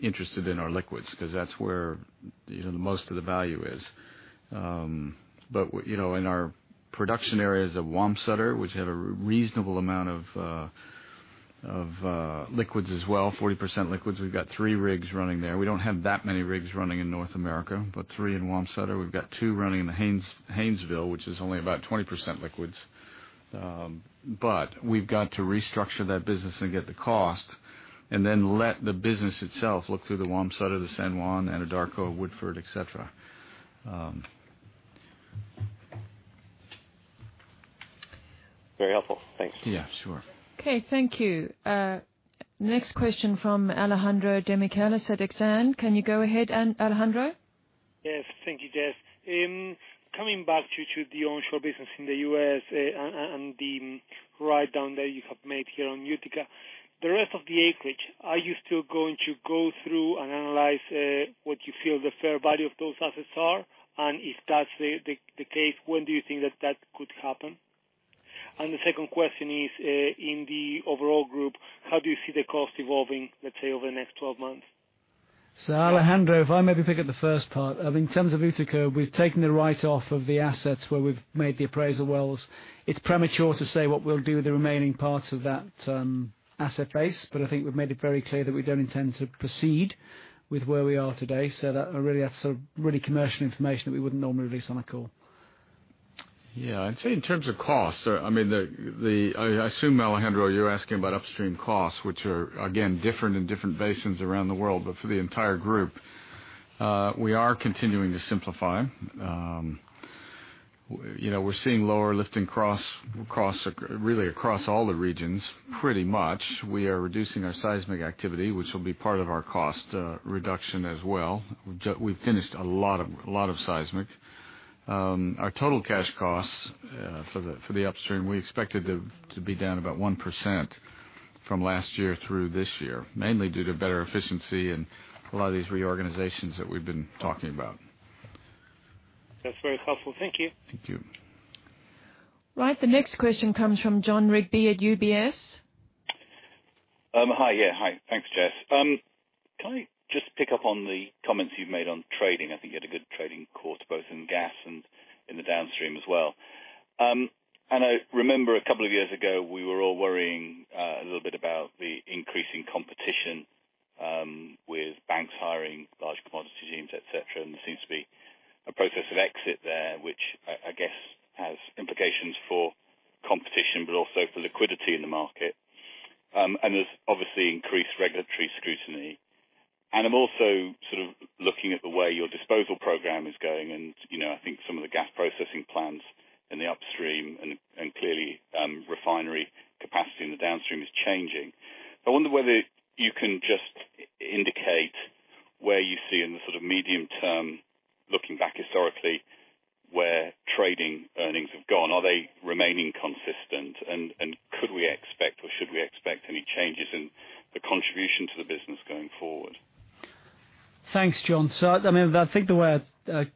interested in are liquids, because that's where most of the value is. In our production areas of Wamsutter, which have a reasonable amount of liquids as well, 40% liquids, we've got three rigs running there. We don't have that many rigs running in North America, but three in Wamsutter. We've got two running in the Haynesville, which is only about 20% liquids. We've got to restructure that business and get the cost, let the business itself look through the Wamsutter, the San Juan, Anadarko, Woodford, et cetera. Very helpful. Thanks. Yeah, sure. Okay, thank you. Next question from Alejandro Demichelis at Exane. Can you go ahead, Alejandro? Yes, thank you, Jess. Coming back to the onshore business in the U.S., and the write-down there you have made here on Utica. If that's the case, when do you think that that could happen? The rest of the acreage, are you still going to go through and analyze what you feel the fair value of those assets are? The second question is, in the overall group, how do you see the cost evolving, let's say over the next 12 months? Alejandro, if I maybe pick up the first part. In terms of Utica, we've taken the write-off of the assets where we've made the appraisal wells. It's premature to say what we'll do with the remaining parts of that asset base. I think we've made it very clear that we don't intend to proceed with where we are today. That is really commercial information that we wouldn't normally release on a call. I'd say in terms of costs. I assume, Alejandro, you're asking about upstream costs, which are again, different in different basins around the world. For the entire group, we are continuing to simplify. We're seeing lower lifting really across all the regions, pretty much. We are reducing our seismic activity, which will be part of our cost reduction as well. We've finished a lot of seismic. Our total cash costs for the upstream, we expect it to be down about 1% from last year through this year, mainly due to better efficiency and a lot of these reorganizations that we've been talking about. That's very helpful. Thank you. Thank you. Right. The next question comes from Jon Rigby at UBS. Hi. Yeah, hi. Thanks, Jess. Can I just pick up on the comments you've made on trading? I think you had a good trading quarter, both in gas and in the downstream as well. I remember a couple of years ago, we were all worrying a little bit about the increase in competition with banks hiring large commodity teams, et cetera, there seems to be a process of exit there, which I guess has implications for competition, but also for liquidity in the market. There's obviously increased regulatory scrutiny. I'm also sort of looking at the way your disposal program is going and I think some of the gas processing plants in the upstream, and clearly refinery capacity in the downstream is changing. I wonder whether you can just indicate where you see in the sort of medium term, looking back historically, where trading earnings have gone. Are they remaining consistent? Could we expect or should we expect any changes in the contribution to the business going forward? Thanks, Jon. I think the way I'd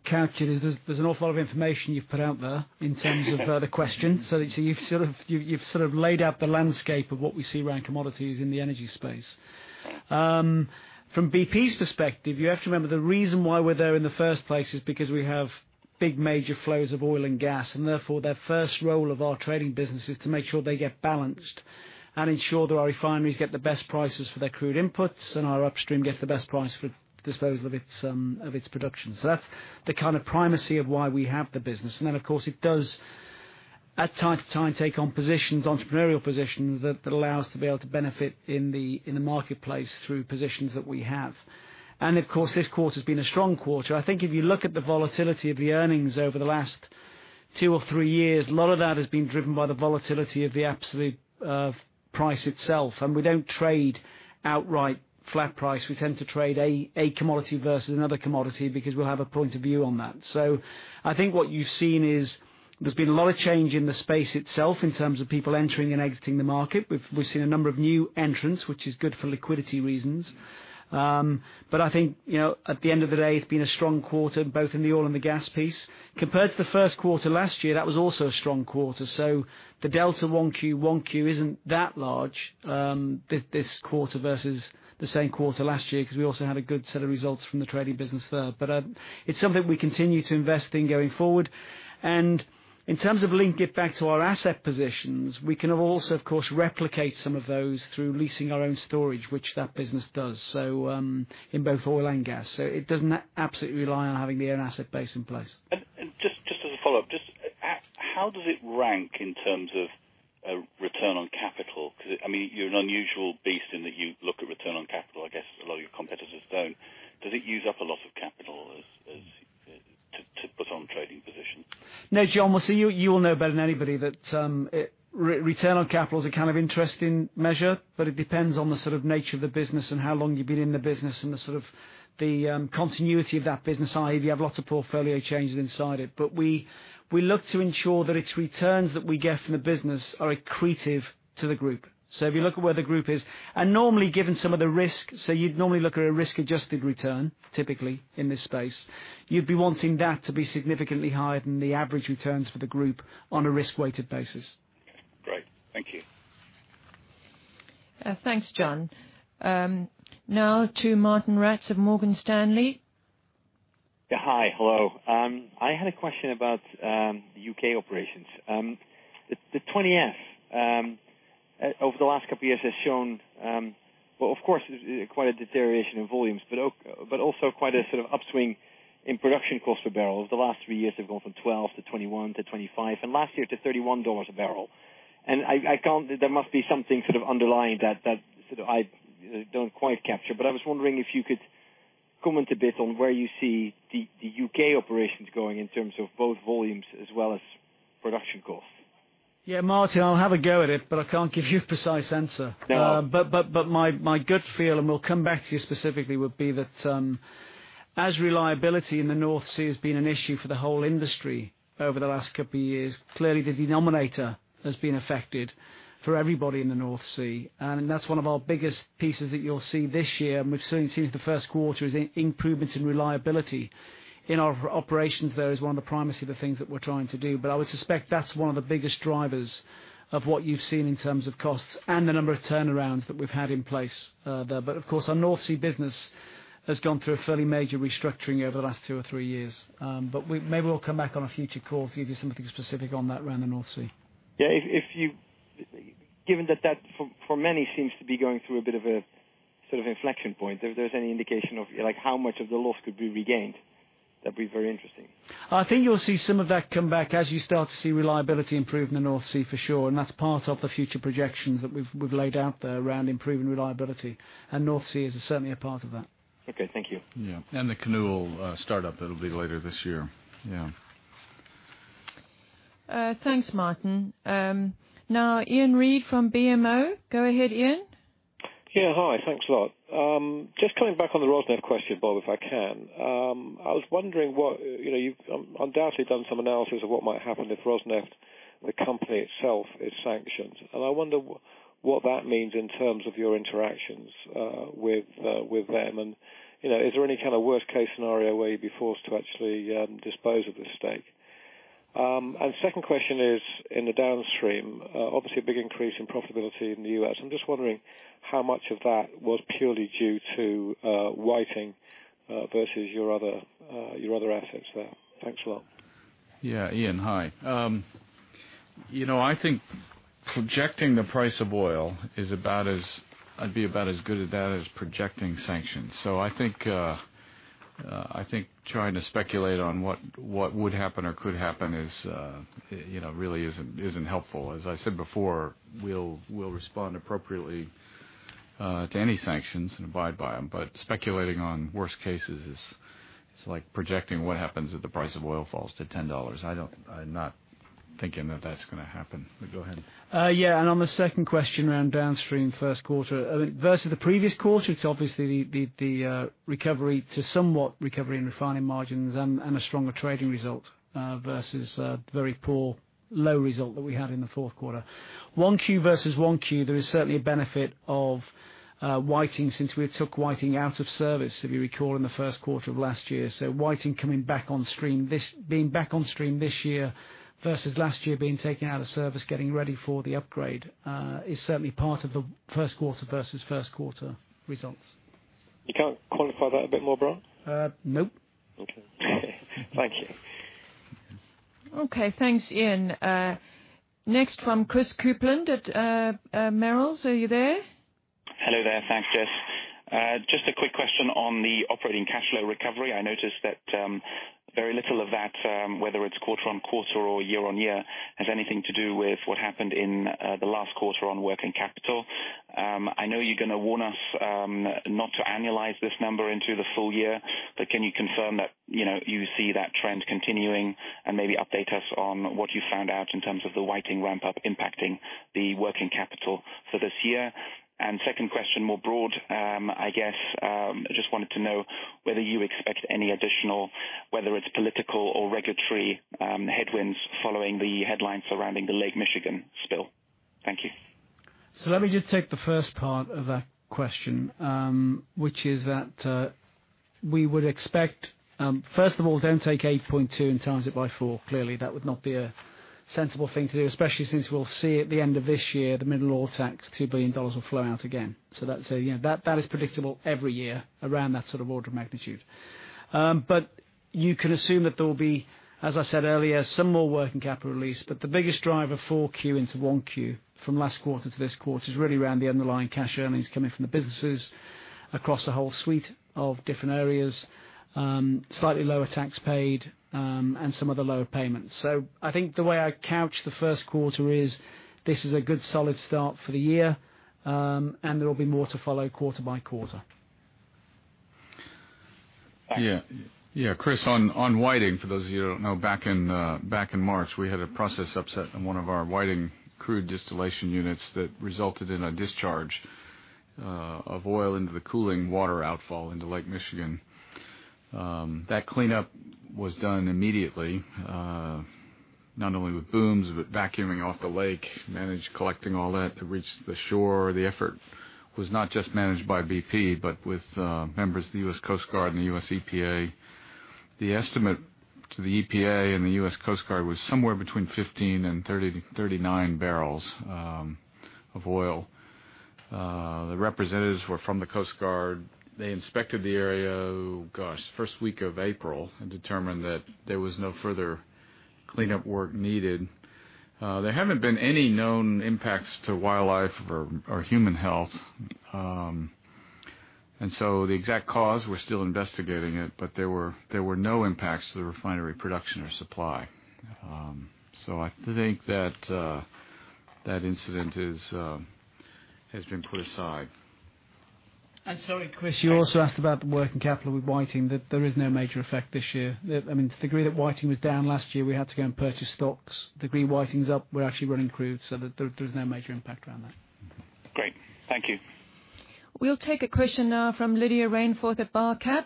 character it is there's an awful lot of information you've put out there in terms of the question. You've sort of laid out the landscape of what we see around commodities in the energy space. From BP's perspective, you have to remember the reason why we're there in the first place is because we have big major flows of oil and gas, and therefore, the first role of our trading business is to make sure they get balanced and ensure that our refineries get the best prices for their crude inputs and our upstream gets the best price for disposal of its production. That's the kind of primacy of why we have the business. Of course, it does at time to time take on positions, entrepreneurial positions, that allow us to be able to benefit in the marketplace through positions that we have. Of course, this quarter's been a strong quarter. I think if you look at the volatility of the earnings over the last two or three years, a lot of that has been driven by the volatility of the absolute price itself. We don't trade outright flat price. We tend to trade a commodity versus another commodity because we'll have a point of view on that. I think what you've seen is there's been a lot of change in the space itself in terms of people entering and exiting the market. We've seen a number of new entrants, which is good for liquidity reasons. I think, at the end of the day, it's been a strong quarter, both in the oil and the gas piece. Compared to the first quarter last year, that was also a strong quarter. The delta 1Q isn't that large, this quarter versus the same quarter last year, because we also had a good set of results from the trading business there. It's something we continue to invest in going forward. In terms of linking it back to our asset positions, we can also, of course, replicate some of those through leasing our own storage, which that business does, in both oil and gas. It doesn't absolutely rely on having the own asset base in place. Just as a follow-up. How does it rank in terms of- I mean, you're an unusual beast in that you look at return on capital. I guess a lot of your competitors don't. Does it use up a lot of capital to put on trading positions? No, Jon. Well, you will know better than anybody that return on capital is a kind of interesting measure, but it depends on the sort of nature of the business and how long you've been in the business and the continuity of that business, i.e, if you have lots of portfolio changes inside it. We look to ensure that its returns that we get from the business are accretive to the group. If you look at where the group is, normally, given some of the risk, so you'd normally look at a risk-adjusted return, typically, in this space. You'd be wanting that to be significantly higher than the average returns for the group on a risk-weighted basis. Great. Thank you. Thanks, Jon. To Martijn Rats of Morgan Stanley. Hi. Hello. I had a question about the U.K. operations. The 20F, over the last couple of years, has shown, well, of course, quite a deterioration in volumes, but also quite a sort of upswing in production cost per barrel. Over the last three years, they've gone from 12 to 21 to 25, and last year to GBP 31 a barrel. There must be something sort of underlying that I don't quite capture. I was wondering if you could comment a bit on where you see the U.K. operations going in terms of both volumes as well as production costs. Martijn, I'll have a go at it, but I can't give you a precise answer. No. My good feel, and we'll come back to you specifically, would be that as reliability in the North Sea has been an issue for the whole industry over the last couple of years. Clearly, the denominator has been affected for everybody in the North Sea, and that's one of our biggest pieces that you'll see this year. We've certainly seen it in the first quarter, is improvements in reliability in our operations there is one of the primacy of the things that we're trying to do. I would suspect that's one of the biggest drivers of what you've seen in terms of costs and the number of turnarounds that we've had in place there. Of course, our North Sea business has gone through a fairly major restructuring over the last two or three years. Maybe we'll come back on a future call to give you something specific on that around the North Sea. Yeah. Given that that, for many, seems to be going through a bit of a sort of inflection point, if there's any indication of how much of the loss could be regained, that'd be very interesting. I think you'll see some of that come back as you start to see reliability improve in the North Sea for sure, and that's part of the future projections that we've laid out there around improving reliability. North Sea is certainly a part of that. Okay. Thank you. Yeah. The Kinnoull will start up. That'll be later this year. Yeah. Thanks, Martijn. Ian Reid from BMO. Go ahead, Ian. Yeah. Hi. Thanks a lot. Just coming back on the Rosneft question, Bob, if I can. I was wondering. You've undoubtedly done some analysis of what might happen if Rosneft, the company itself, is sanctioned. I wonder what that means in terms of your interactions with them, and is there any kind of worst-case scenario where you'd be forced to actually dispose of the stake? Second question is in the downstream. Obviously, a big increase in profitability in the U.S. I'm just wondering how much of that was purely due to Whiting versus your other assets there. Thanks a lot. Yeah. Ian, hi. I think projecting the price of oil, I'd be about as good at that as projecting sanctions. I think trying to speculate on what would happen or could happen really isn't helpful. As I said before, we'll respond appropriately to any sanctions and abide by them. Speculating on worst cases is like projecting what happens if the price of oil falls to $10. I'm not thinking that that's going to happen. Go ahead. Yeah. On the second question around downstream first quarter versus the previous quarter, it's obviously the recovery to somewhat recovery in refining margins and a stronger trading result versus a very poor low result that we had in the fourth quarter. 1Q versus 1Q, there is certainly a benefit of Whiting since we took Whiting out of service, if you recall, in the first quarter of last year. Whiting being back on stream this year versus last year being taken out of service, getting ready for the upgrade, is certainly part of the first quarter versus first quarter results. You can't qualify that a bit more, Bob? Nope. Okay. Thank you. Okay. Thanks, Ian. Next from Chris Kuplent at Merrill's. Are you there? Hello there. Thanks, Jess. Just a quick question on the operating cash flow recovery. I noticed that very little of that, whether it's quarter-on-quarter or year-on-year, has anything to do with what happened in the last quarter on working capital. I know you're going to warn us not to annualize this number into the full year, but can you confirm that you see that trend continuing and maybe update us on what you found out in terms of the Whiting ramp-up impacting the working capital for this year? Second question, more broad. I guess I just wanted to know whether you expect any additional, whether it's political or regulatory headwinds following the headlines surrounding the Lake Michigan spill. Thank you. Let me just take the first part of that question, which is that we would expect. First of all, don't take 8.2 and times it by four. Clearly, that would not be a sensible thing to do, especially since we'll see at the end of this year the mineral oil tax, GBP 2 billion will flow out again. That is predictable every year around that sort of order of magnitude. You can assume that there will be, as I said earlier, some more working capital release, but the biggest driver, 4Q into 1Q from last quarter to this quarter is really around the underlying cash earnings coming from the businesses Across the whole suite of different areas, slightly lower tax paid, and some other lower payments. I think the way I'd couch the first quarter is, this is a good solid start for the year, and there will be more to follow quarter-by-quarter. Yeah. Chris, on Whiting, for those of you who don't know, back in March, we had a process upset in one of our Whiting crude distillation units that resulted in a discharge of oil into the cooling water outfall into Lake Michigan. That cleanup was done immediately, not only with booms but vacuuming off the lake, managed, collecting all that to reach the shore. The effort was not just managed by BP, but with members of the U.S. Coast Guard and the U.S. EPA. The estimate to the EPA and the U.S. Coast Guard was somewhere between 15 and 39 barrels of oil. The representatives were from the Coast Guard. They inspected the area, gosh, first week of April and determined that there was no further cleanup work needed. There haven't been any known impacts to wildlife or human health. The exact cause, we're still investigating it, but there were no impacts to the refinery production or supply. I think that incident has been put aside. Sorry, Chris, you also asked about the working capital with Whiting, that there is no major effect this year. I mean, to the degree that Whiting was down last year, we had to go and purchase stocks. The degree Whiting's up, we're actually running crude so there's no major impact around that. Great. Thank you. We'll take a question now from Lydia Rainforth at Barclays.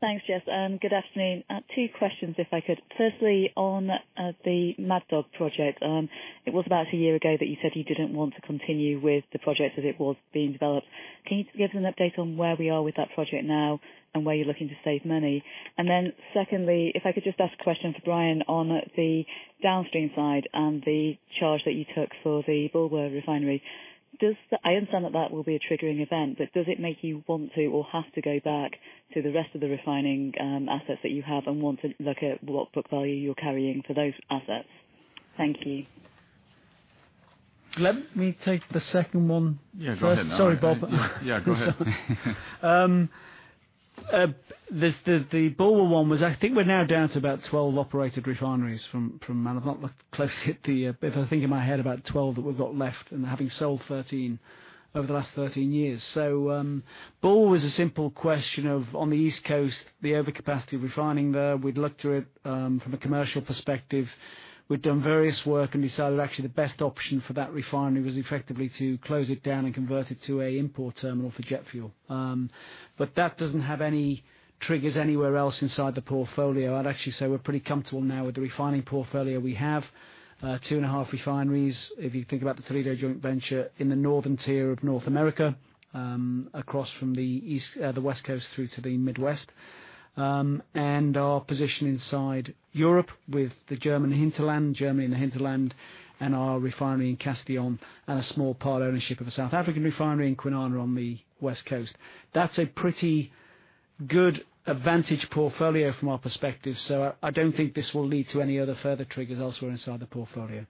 Thanks, Jess, good afternoon. Two questions, if I could. Firstly, on the Mad Dog project. It was about a year ago that you said you didn't want to continue with the project as it was being developed. Can you give us an update on where we are with that project now and where you're looking to save money? Secondly, if I could just ask a question for Brian on the downstream side and the charge that you took for the Bulwer Refinery. I understand that will be a triggering event, does it make you want to or have to go back to the rest of the refining assets that you have and want to look at what book value you're carrying for those assets? Thank you. Let me take the second one. Yeah, go ahead. Sorry, Bob. Yeah, go ahead. The Bulwer one was, I think we're now down to about 12 operated refineries from. I've not looked closely at the, but if I think in my head, about 12 that we've got left and having sold 13 over the last 13 years. Bulwer was a simple question of on the East Coast, the over capacity of refining there, we'd looked to it from a commercial perspective. We'd done various work and decided actually the best option for that refinery was effectively to close it down and convert it to an import terminal for jet fuel. That doesn't have any triggers anywhere else inside the portfolio. I'd actually say we're pretty comfortable now with the refining portfolio we have, two and a half refineries. If you think about the Toledo joint venture in the northern tier of North America, across from the West Coast through to the Midwest. Our position inside Europe with the German hinterland, Germany and the hinterland, and our refinery in Castellón, and a small part ownership of a South Africa refinery in Kwinana on the West Coast. That's a pretty good advantage portfolio from our perspective. I don't think this will lead to any other further triggers elsewhere inside the portfolio.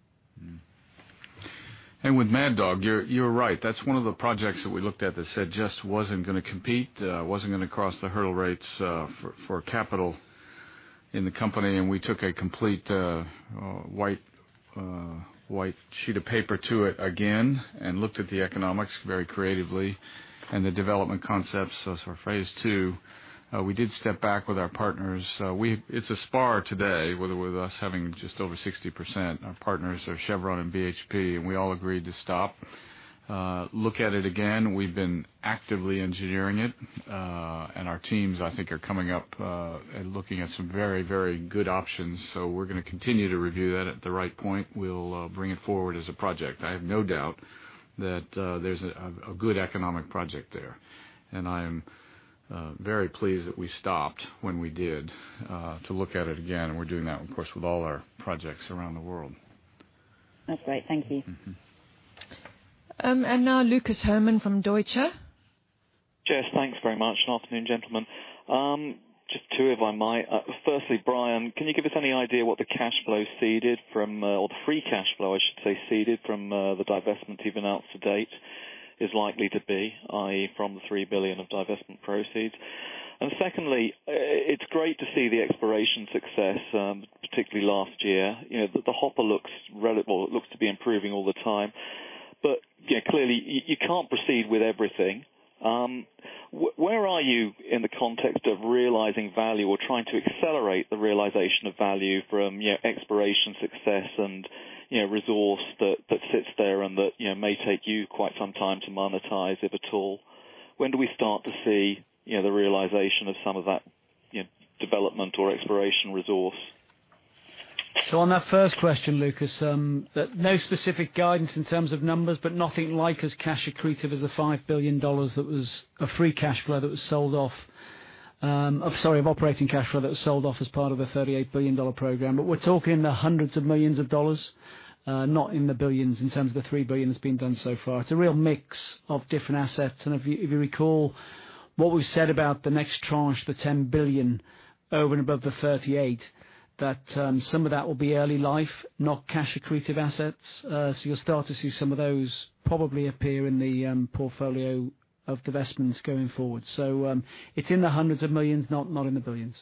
With Mad Dog, you're right. That's one of the projects that we looked at that said just wasn't going to compete, wasn't going to cross the hurdle rates for capital in the company. We took a complete white sheet of paper to it again and looked at the economics very creatively and the development concepts for phase 2. We did step back with our partners. It's a spar today with us having just over 60%. Our partners are Chevron and BHP. We all agreed to stop, look at it again. We've been actively engineering it. Our teams, I think, are coming up and looking at some very, very good options. We're going to continue to review that. At the right point, we'll bring it forward as a project. I have no doubt that there's a good economic project there. I am very pleased that we stopped when we did to look at it again. We're doing that, of course, with all our projects around the world. That's great. Thank you. Now Lucas Herrmann from Deutsche. Jess, thanks very much. Good afternoon, gentlemen. Just two, if I might. Firstly, Brian, can you give us any idea what the cash flow ceded from, or the free cash flow I should say, ceded from the divestments you've announced to date is likely to be, i.e., from the 3 billion of divestment proceeds? Secondly, it's great to see the exploration success, particularly last year. The hopper looks to be improving all the time. Clearly, you can't proceed with everything. Where are you in the context of realizing value or trying to accelerate the realization of value from exploration success and resource that sits there and that may take you quite some time to monetize, if at all? When do we start to see the realization of some of that development or exploration resource? On that first question, Lucas, no specific guidance in terms of numbers, but nothing like as cash accretive as the GBP 5 billion that was a free cash flow that was sold off. I'm sorry, of operating cash flow that was sold off as part of a GBP 38 billion program. We're talking the hundreds of millions of GBP, not in the billions of GBP in terms of the 3 billion that's been done so far. It's a real mix of different assets. If you recall what we've said about the next tranche, the 10 billion over and above the 38 billion, that some of that will be early life, not cash-accretive assets. You'll start to see some of those probably appear in the portfolio of divestments going forward. It's in the hundreds of millions of GBP, not in the billions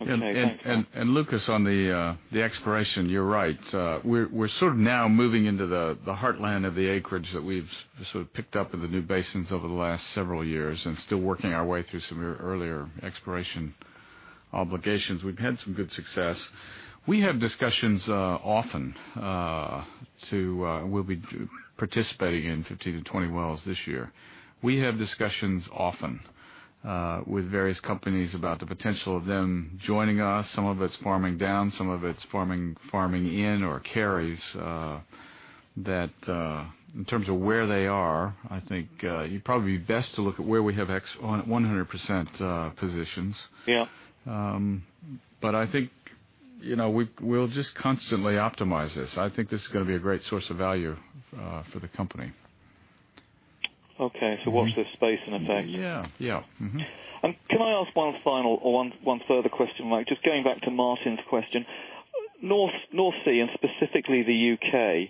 of GBP. Okay. Thanks. Lucas, on the exploration, you're right. We're sort of now moving into the heartland of the acreage that we've sort of picked up in the new basins over the last several years and still working our way through some earlier exploration obligations. We've had some good success. We'll be participating in 15-20 wells this year. We have discussions often with various companies about the potential of them joining us. Some of it's farming down, some of it's farming in, or carries. That in terms of where they are, I think you'd probably be best to look at where we have exposure on at 100% positions. Yeah. I think, we'll just constantly optimize this. I think this is going to be a great source of value for the company. Okay. Watch this space, in effect? Yeah. Mm-hmm. Can I ask one final or one further question, may I? Just going back to Martijn's question. North Sea and specifically the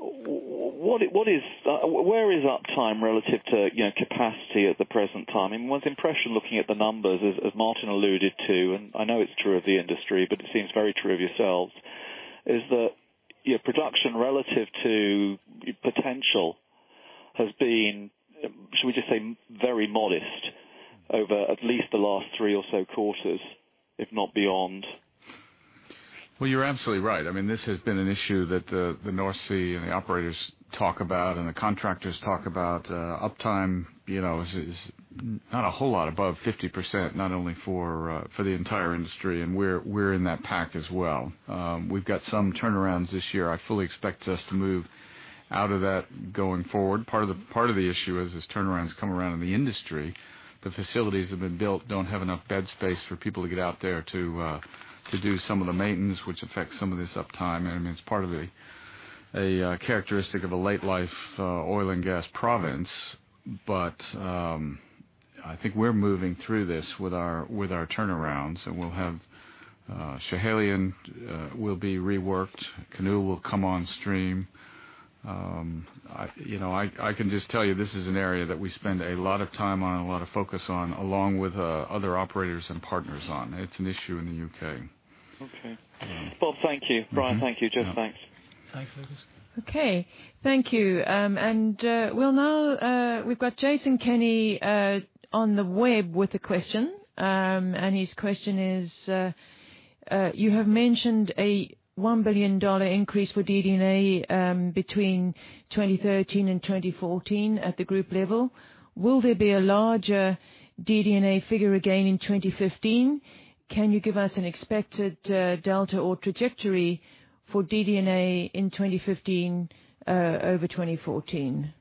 U.K., where is uptime relative to capacity at the present time? I mean, one's impression looking at the numbers, as Martijn alluded to, and I know it's true of the industry, but it seems very true of yourselves, is that your production relative to potential has been, should we just say, very modest over at least the last three or so quarters, if not beyond. Well, you're absolutely right. I mean, this has been an issue that the North Sea and the operators talk about and the contractors talk about. Uptime is not a whole lot above 50%, not only for the entire industry, we're in that pack as well. We've got some turnarounds this year. I fully expect us to move out of that going forward. Part of the issue is, as turnarounds come around in the industry, the facilities that have been built don't have enough bed space for people to get out there to do some of the maintenance, which affects some of this uptime. It's part of a characteristic of a late-life oil and gas province. I think we're moving through this with our turnarounds, Schiehallion will be reworked. Kinnoull will come on stream. I can just tell you, this is an area that we spend a lot of time on and a lot of focus on, along with other operators and partners on. It's an issue in the U.K. Okay. Yeah. Well, thank you. Brian, thank you. Jess, thanks. Thanks, Lucas. Okay. Thank you. Well now, we've got Jason Kenney on the web with a question. His question is, you have mentioned a GBP 1 billion increase for DD&A between 2013 and 2014 at the group level. Will there be a larger DD&A figure again in 2015? Can you give us an expected delta or trajectory for DD&A in 2015 over 2014?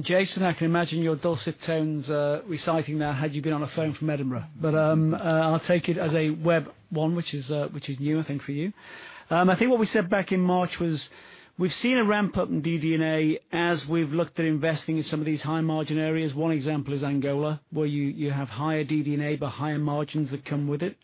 Jason, I can imagine your dulcet tones reciting there had you been on a phone from Edinburgh. I'll take it as a web one, which is new, I think, for you. I think what we said back in March was we've seen a ramp-up in DD&A as we've looked at investing in some of these high-margin areas. One example is Angola, where you have higher DD&A, but higher margins that come with it.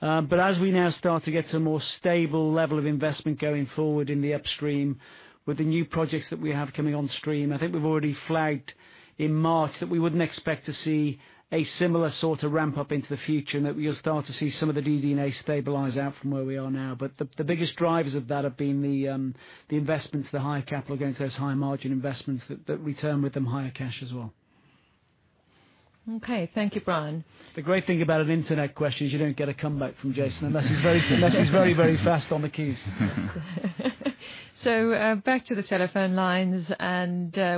As we now start to get to a more stable level of investment going forward in the upstream with the new projects that we have coming on stream, I think we've already flagged in March that we wouldn't expect to see a similar sort of ramp-up into the future, that we'll start to see some of the DD&A stabilize out from where we are now. The biggest drivers of that have been the investments, the higher capital against those high-margin investments that return with them higher cash as well. Okay. Thank you, Brian. The great thing about an internet question is you don't get a comeback from Jason unless he's very, very fast on the keys. Back to the telephone lines.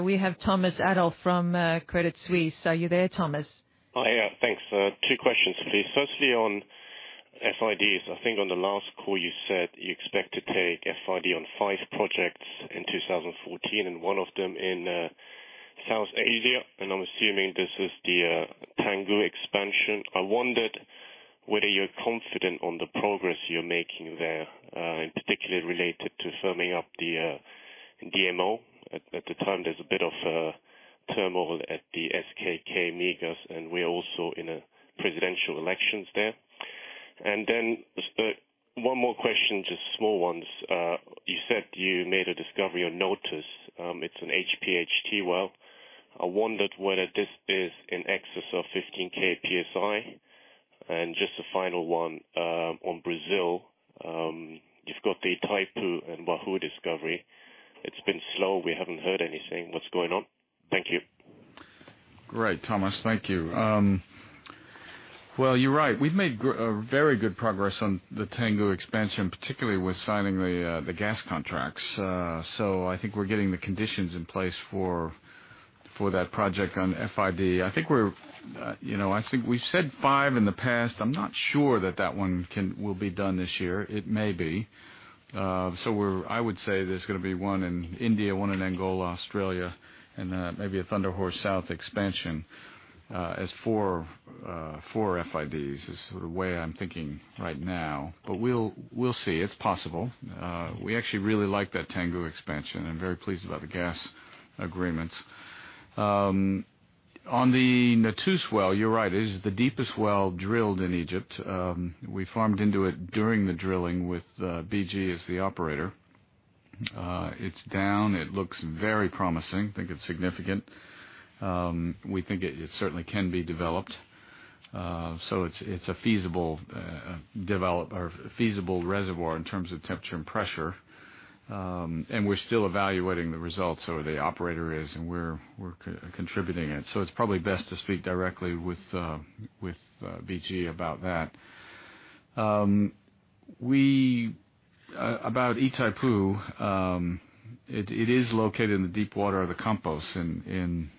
We have Thomas Adolff from Credit Suisse. Are you there, Thomas? I am. Thanks. Two questions, please. Firstly, on FIDs. I think on the last call, you said you expect to take FID on five projects in 2014, one of them in Southeast Asia, and I'm assuming this is the Tangguh expansion. I wondered whether you're confident on the progress you're making there, in particular related to firming up the DMO. At the time, there's a bit of a turmoil at the SKK Migas, and we're also in a presidential elections there. Just one more question, just small ones. You said you made a discovery on Notus. It's an HPHT well. I wondered whether this is in excess of 15,000 PSI. Just a final one on Brazil. You've got the Itaipu and Wahoo discovery. It's been slow. We haven't heard anything. What's going on? Thank you. Great, Thomas. Thank you. Well, you're right. We've made very good progress on the Tangguh expansion, particularly with signing the gas contracts. I think we're getting the conditions in place for that project on FID. I think we've said five in the past. I'm not sure that that one will be done this year. It may be. I would say there's going to be one in India, one in Angola, Australia, and maybe a Thunder Horse South expansion. As four FIDs is the way I'm thinking right now. We'll see. It's possible. We actually really like that Tangguh expansion. I'm very pleased about the gas agreements. On the Notus well, you're right. It is the deepest well drilled in Egypt. We farmed into it during the drilling with BG as the operator. It's down, it looks very promising. I think it's significant. We think it certainly can be developed. It's a feasible reservoir in terms of temperature and pressure. We're still evaluating the results, or the operator is, and we're contributing it. It's probably best to speak directly with BG about that. About Itaipu, it is located in the deep water of the Campos in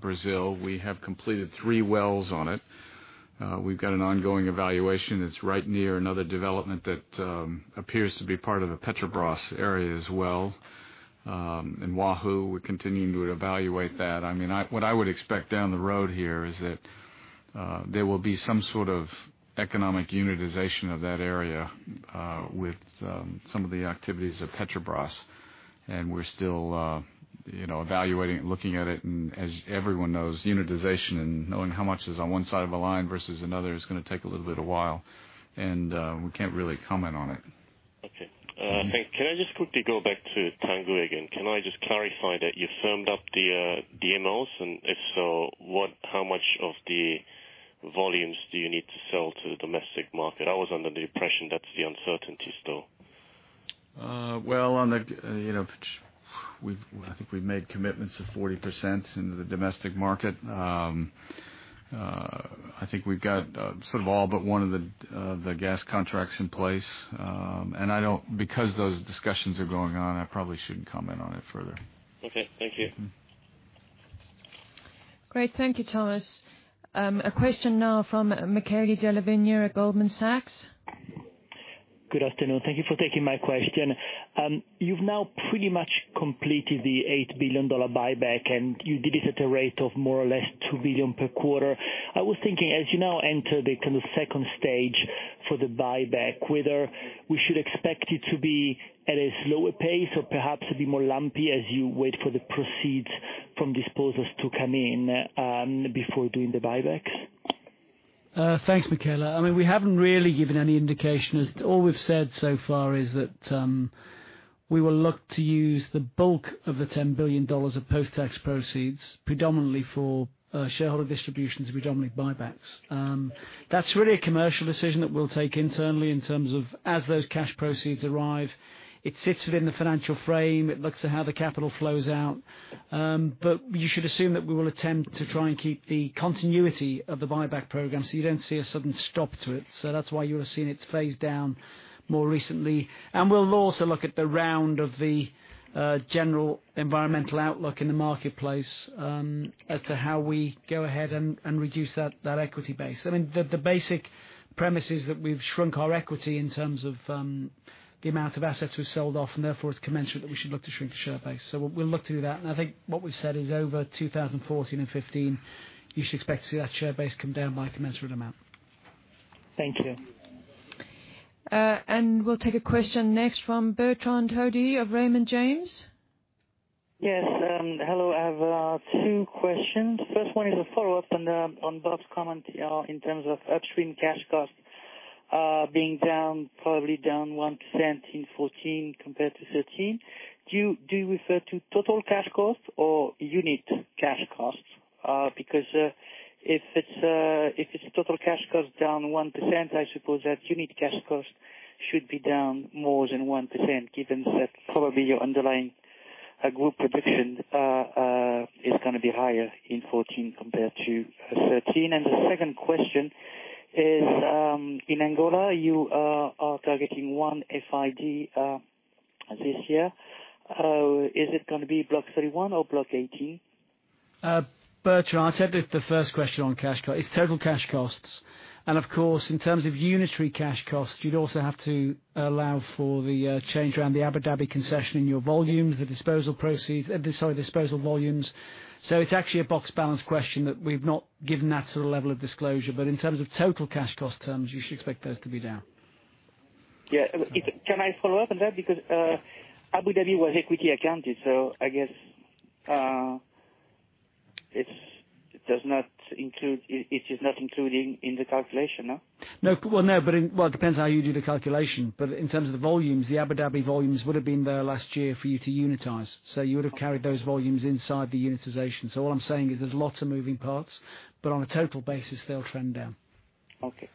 Brazil. We have completed three wells on it. We've got an ongoing evaluation. It's right near another development that appears to be part of the Petrobras area as well. In Wahoo, we're continuing to evaluate that. What I would expect down the road here is that there will be some sort of economic unitization of that area, with some of the activities of Petrobras, we're still evaluating, looking at it, as everyone knows, unitization and knowing how much is on one side of a line versus another is going to take a little bit of while. We can't really comment on it. Okay. Can I just quickly go back to Tangguh again? Can I just clarify that you firmed up the DMOs, and if so, how much of the volumes do you need to sell to the domestic market? I was under the impression that's the uncertainty still. Well, I think we've made commitments of 40% into the domestic market. I think we've got sort of all but one of the gas contracts in place. Because those discussions are going on, I probably shouldn't comment on it further. Okay. Thank you. Great. Thank you, Thomas. A question now from Michele Della Vigna at Goldman Sachs. Good afternoon. Thank you for taking my question. You've now pretty much completed the $8 billion buyback, and you did it at a rate of more or less $2 billion per quarter. I was thinking, as you now enter the kind of stage 2 for the buyback, whether we should expect it to be at a slower pace or perhaps a bit more lumpy as you wait for the proceeds from disposals to come in before doing the buybacks. Thanks, Michele. We haven't really given any indication. All we've said so far is that we will look to use the bulk of the $10 billion of post-tax proceeds predominantly for shareholder distributions or predominantly buybacks. That's really a commercial decision that we'll take internally in terms of as those cash proceeds arrive. It sits within the financial frame. It looks at how the capital flows out. You should assume that we will attempt to try and keep the continuity of the buyback program, so you don't see a sudden stop to it. That's why you are seeing it phase down more recently. We'll also look at the round of the general environmental outlook in the marketplace as to how we go ahead and reduce that equity base. The basic premise is that we've shrunk our equity in terms of the amount of assets we've sold off, therefore, it's commensurate that we should look to shrink the share base. We'll look to do that. I think what we've said is over 2014 and 2015, you should expect to see that share base come down by a commensurate amount. Thank you. We'll take a question next from Bertrand Hodée of Raymond James. Yes. Hello. I have two questions. First one is a follow-up on Bob's comment in terms of upstream cash costs being down, probably down 1% in 2014 compared to 2013. Do you refer to total cash costs or unit cash costs? Because if it's total cash costs down 1%, I suppose that unit cash costs should be down more than 1%, given that probably your underlying group production is going to be higher in 2014 compared to 2013. The second question is, in Angola, you are targeting one FID this year. Is it going to be Block 31 or Block 18? Bertrand, I'll take the first question on cash cost. It's total cash costs. Of course, in terms of unitary cash costs, you'd also have to allow for the change around the Abu Dhabi concession in your volumes, the disposal volumes. It's actually a box balance question that we've not given that to the level of disclosure. In terms of total cash cost terms, you should expect those to be down. Yeah. Can I follow up on that? Abu Dhabi was equity accounted, so I guess it is not included in the calculation? Well, it depends how you do the calculation. In terms of the volumes, the Abu Dhabi volumes would have been there last year for you to unitize. You would have carried those volumes inside the unitization. All I'm saying is there's lots of moving parts, but on a total basis, they'll trend down. Okay.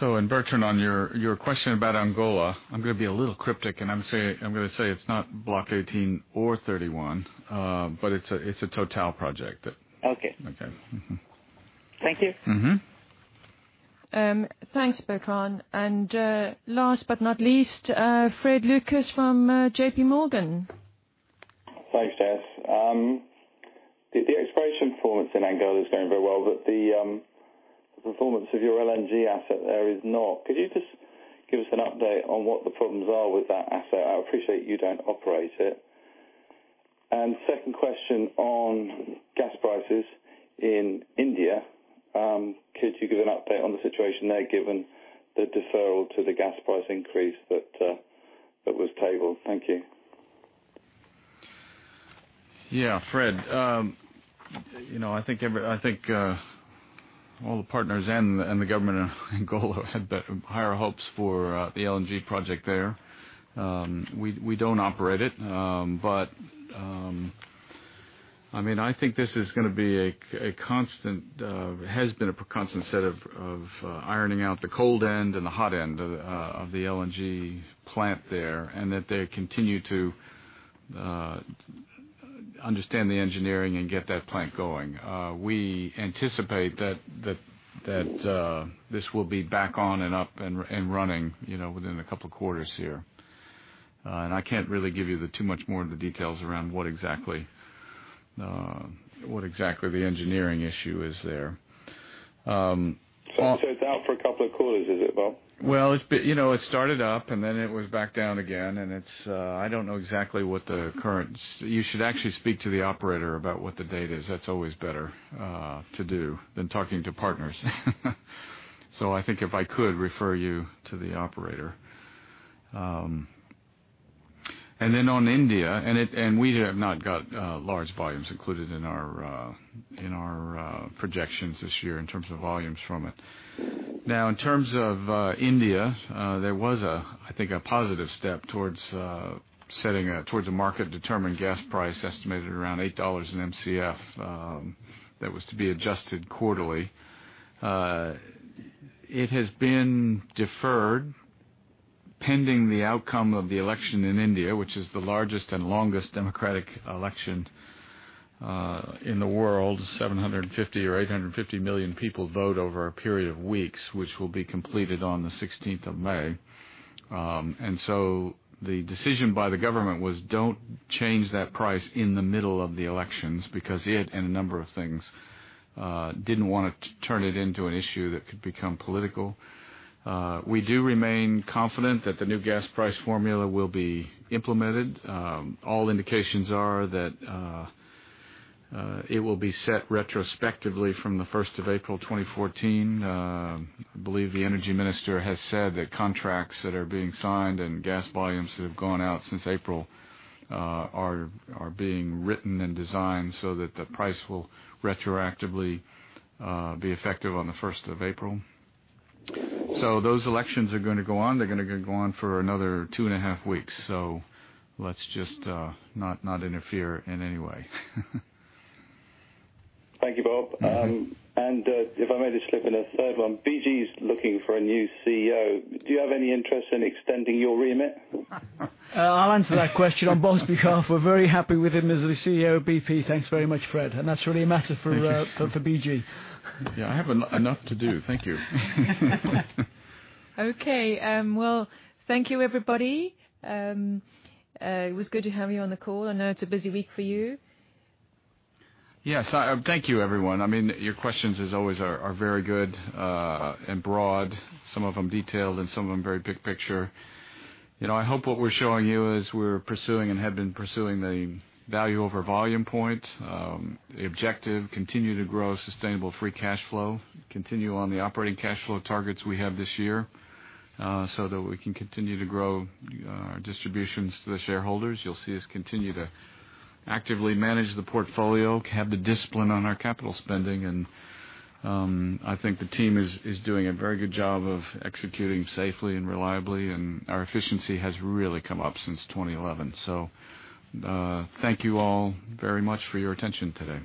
Bertrand, on your question about Angola, I'm going to be a little cryptic, and I'm going to say it's not Block 18 or 31, but it's a Total project. Okay. Okay. Mm-hmm. Thank you. Thanks, Bertrand. Last but not least, Fred Lucas from JPMorgan. Thanks, Jess. The exploration performance in Angola is going very well, the performance of your LNG asset there is not. Could you just give us an update on what the problems are with that asset? I appreciate you don't operate it. Second question on gas prices in India, could you give an update on the situation there given the deferral to the gas price increase that was tabled? Thank you. Fred. I think all the partners and the government of Angola had higher hopes for the LNG project there. We don't operate it. I think this has been a constant set of ironing out the cold end and the hot end of the LNG plant there, and that they continue to understand the engineering and get that plant going. We anticipate that this will be back on and up and running within a couple of quarters here. I can't really give you too much more of the details around what exactly the engineering issue is there. It's out for a couple of quarters, is it, Bob? It started up, then it was back down again. You should actually speak to the operator about what the date is. That's always better to do than talking to partners. I think if I could refer you to the operator. Then on India, we have not got large volumes included in our projections this year in terms of volumes from it. In terms of India, there was, I think, a positive step towards a market-determined gas price estimated around GBP 8 an Mcf, that was to be adjusted quarterly. It has been deferred pending the outcome of the election in India, which is the largest and longest democratic election in the world. 750 or 850 million people vote over a period of weeks, which will be completed on the 16th of May. The decision by the government was, don't change that price in the middle of the elections because it, and a number of things, didn't want to turn it into an issue that could become political. We do remain confident that the new gas price formula will be implemented. All indications are that it will be set retrospectively from the 1st of April 2014. I believe the energy minister has said that contracts that are being signed and gas volumes that have gone out since April are being written and designed so that the price will retroactively be effective on the 1st of April. Those elections are going to go on. They're going to go on for another two and a half weeks. Let's just not interfere in any way. Thank you, Bob. If I may just slip in a third one. BG's looking for a new CEO. Do you have any interest in extending your remit? I'll answer that question on Bob's behalf. We're very happy with him as the CEO of BP. Thanks very much, Fred. Thank you. BG. Yeah, I have enough to do. Thank you. Okay. Well, thank you everybody. It was good to have you on the call. I know it's a busy week for you. Yes. Thank you, everyone. Your questions, as always, are very good and broad. Some of them detailed and some of them very big picture. I hope what we're showing you is we're pursuing and have been pursuing the value over volume point. The objective, continue to grow sustainable free cash flow, continue on the operating cash flow targets we have this year, so that we can continue to grow our distributions to the shareholders. You'll see us continue to actively manage the portfolio, have the discipline on our capital spending, and I think the team is doing a very good job of executing safely and reliably, and our efficiency has really come up since 2011. Thank you all very much for your attention today.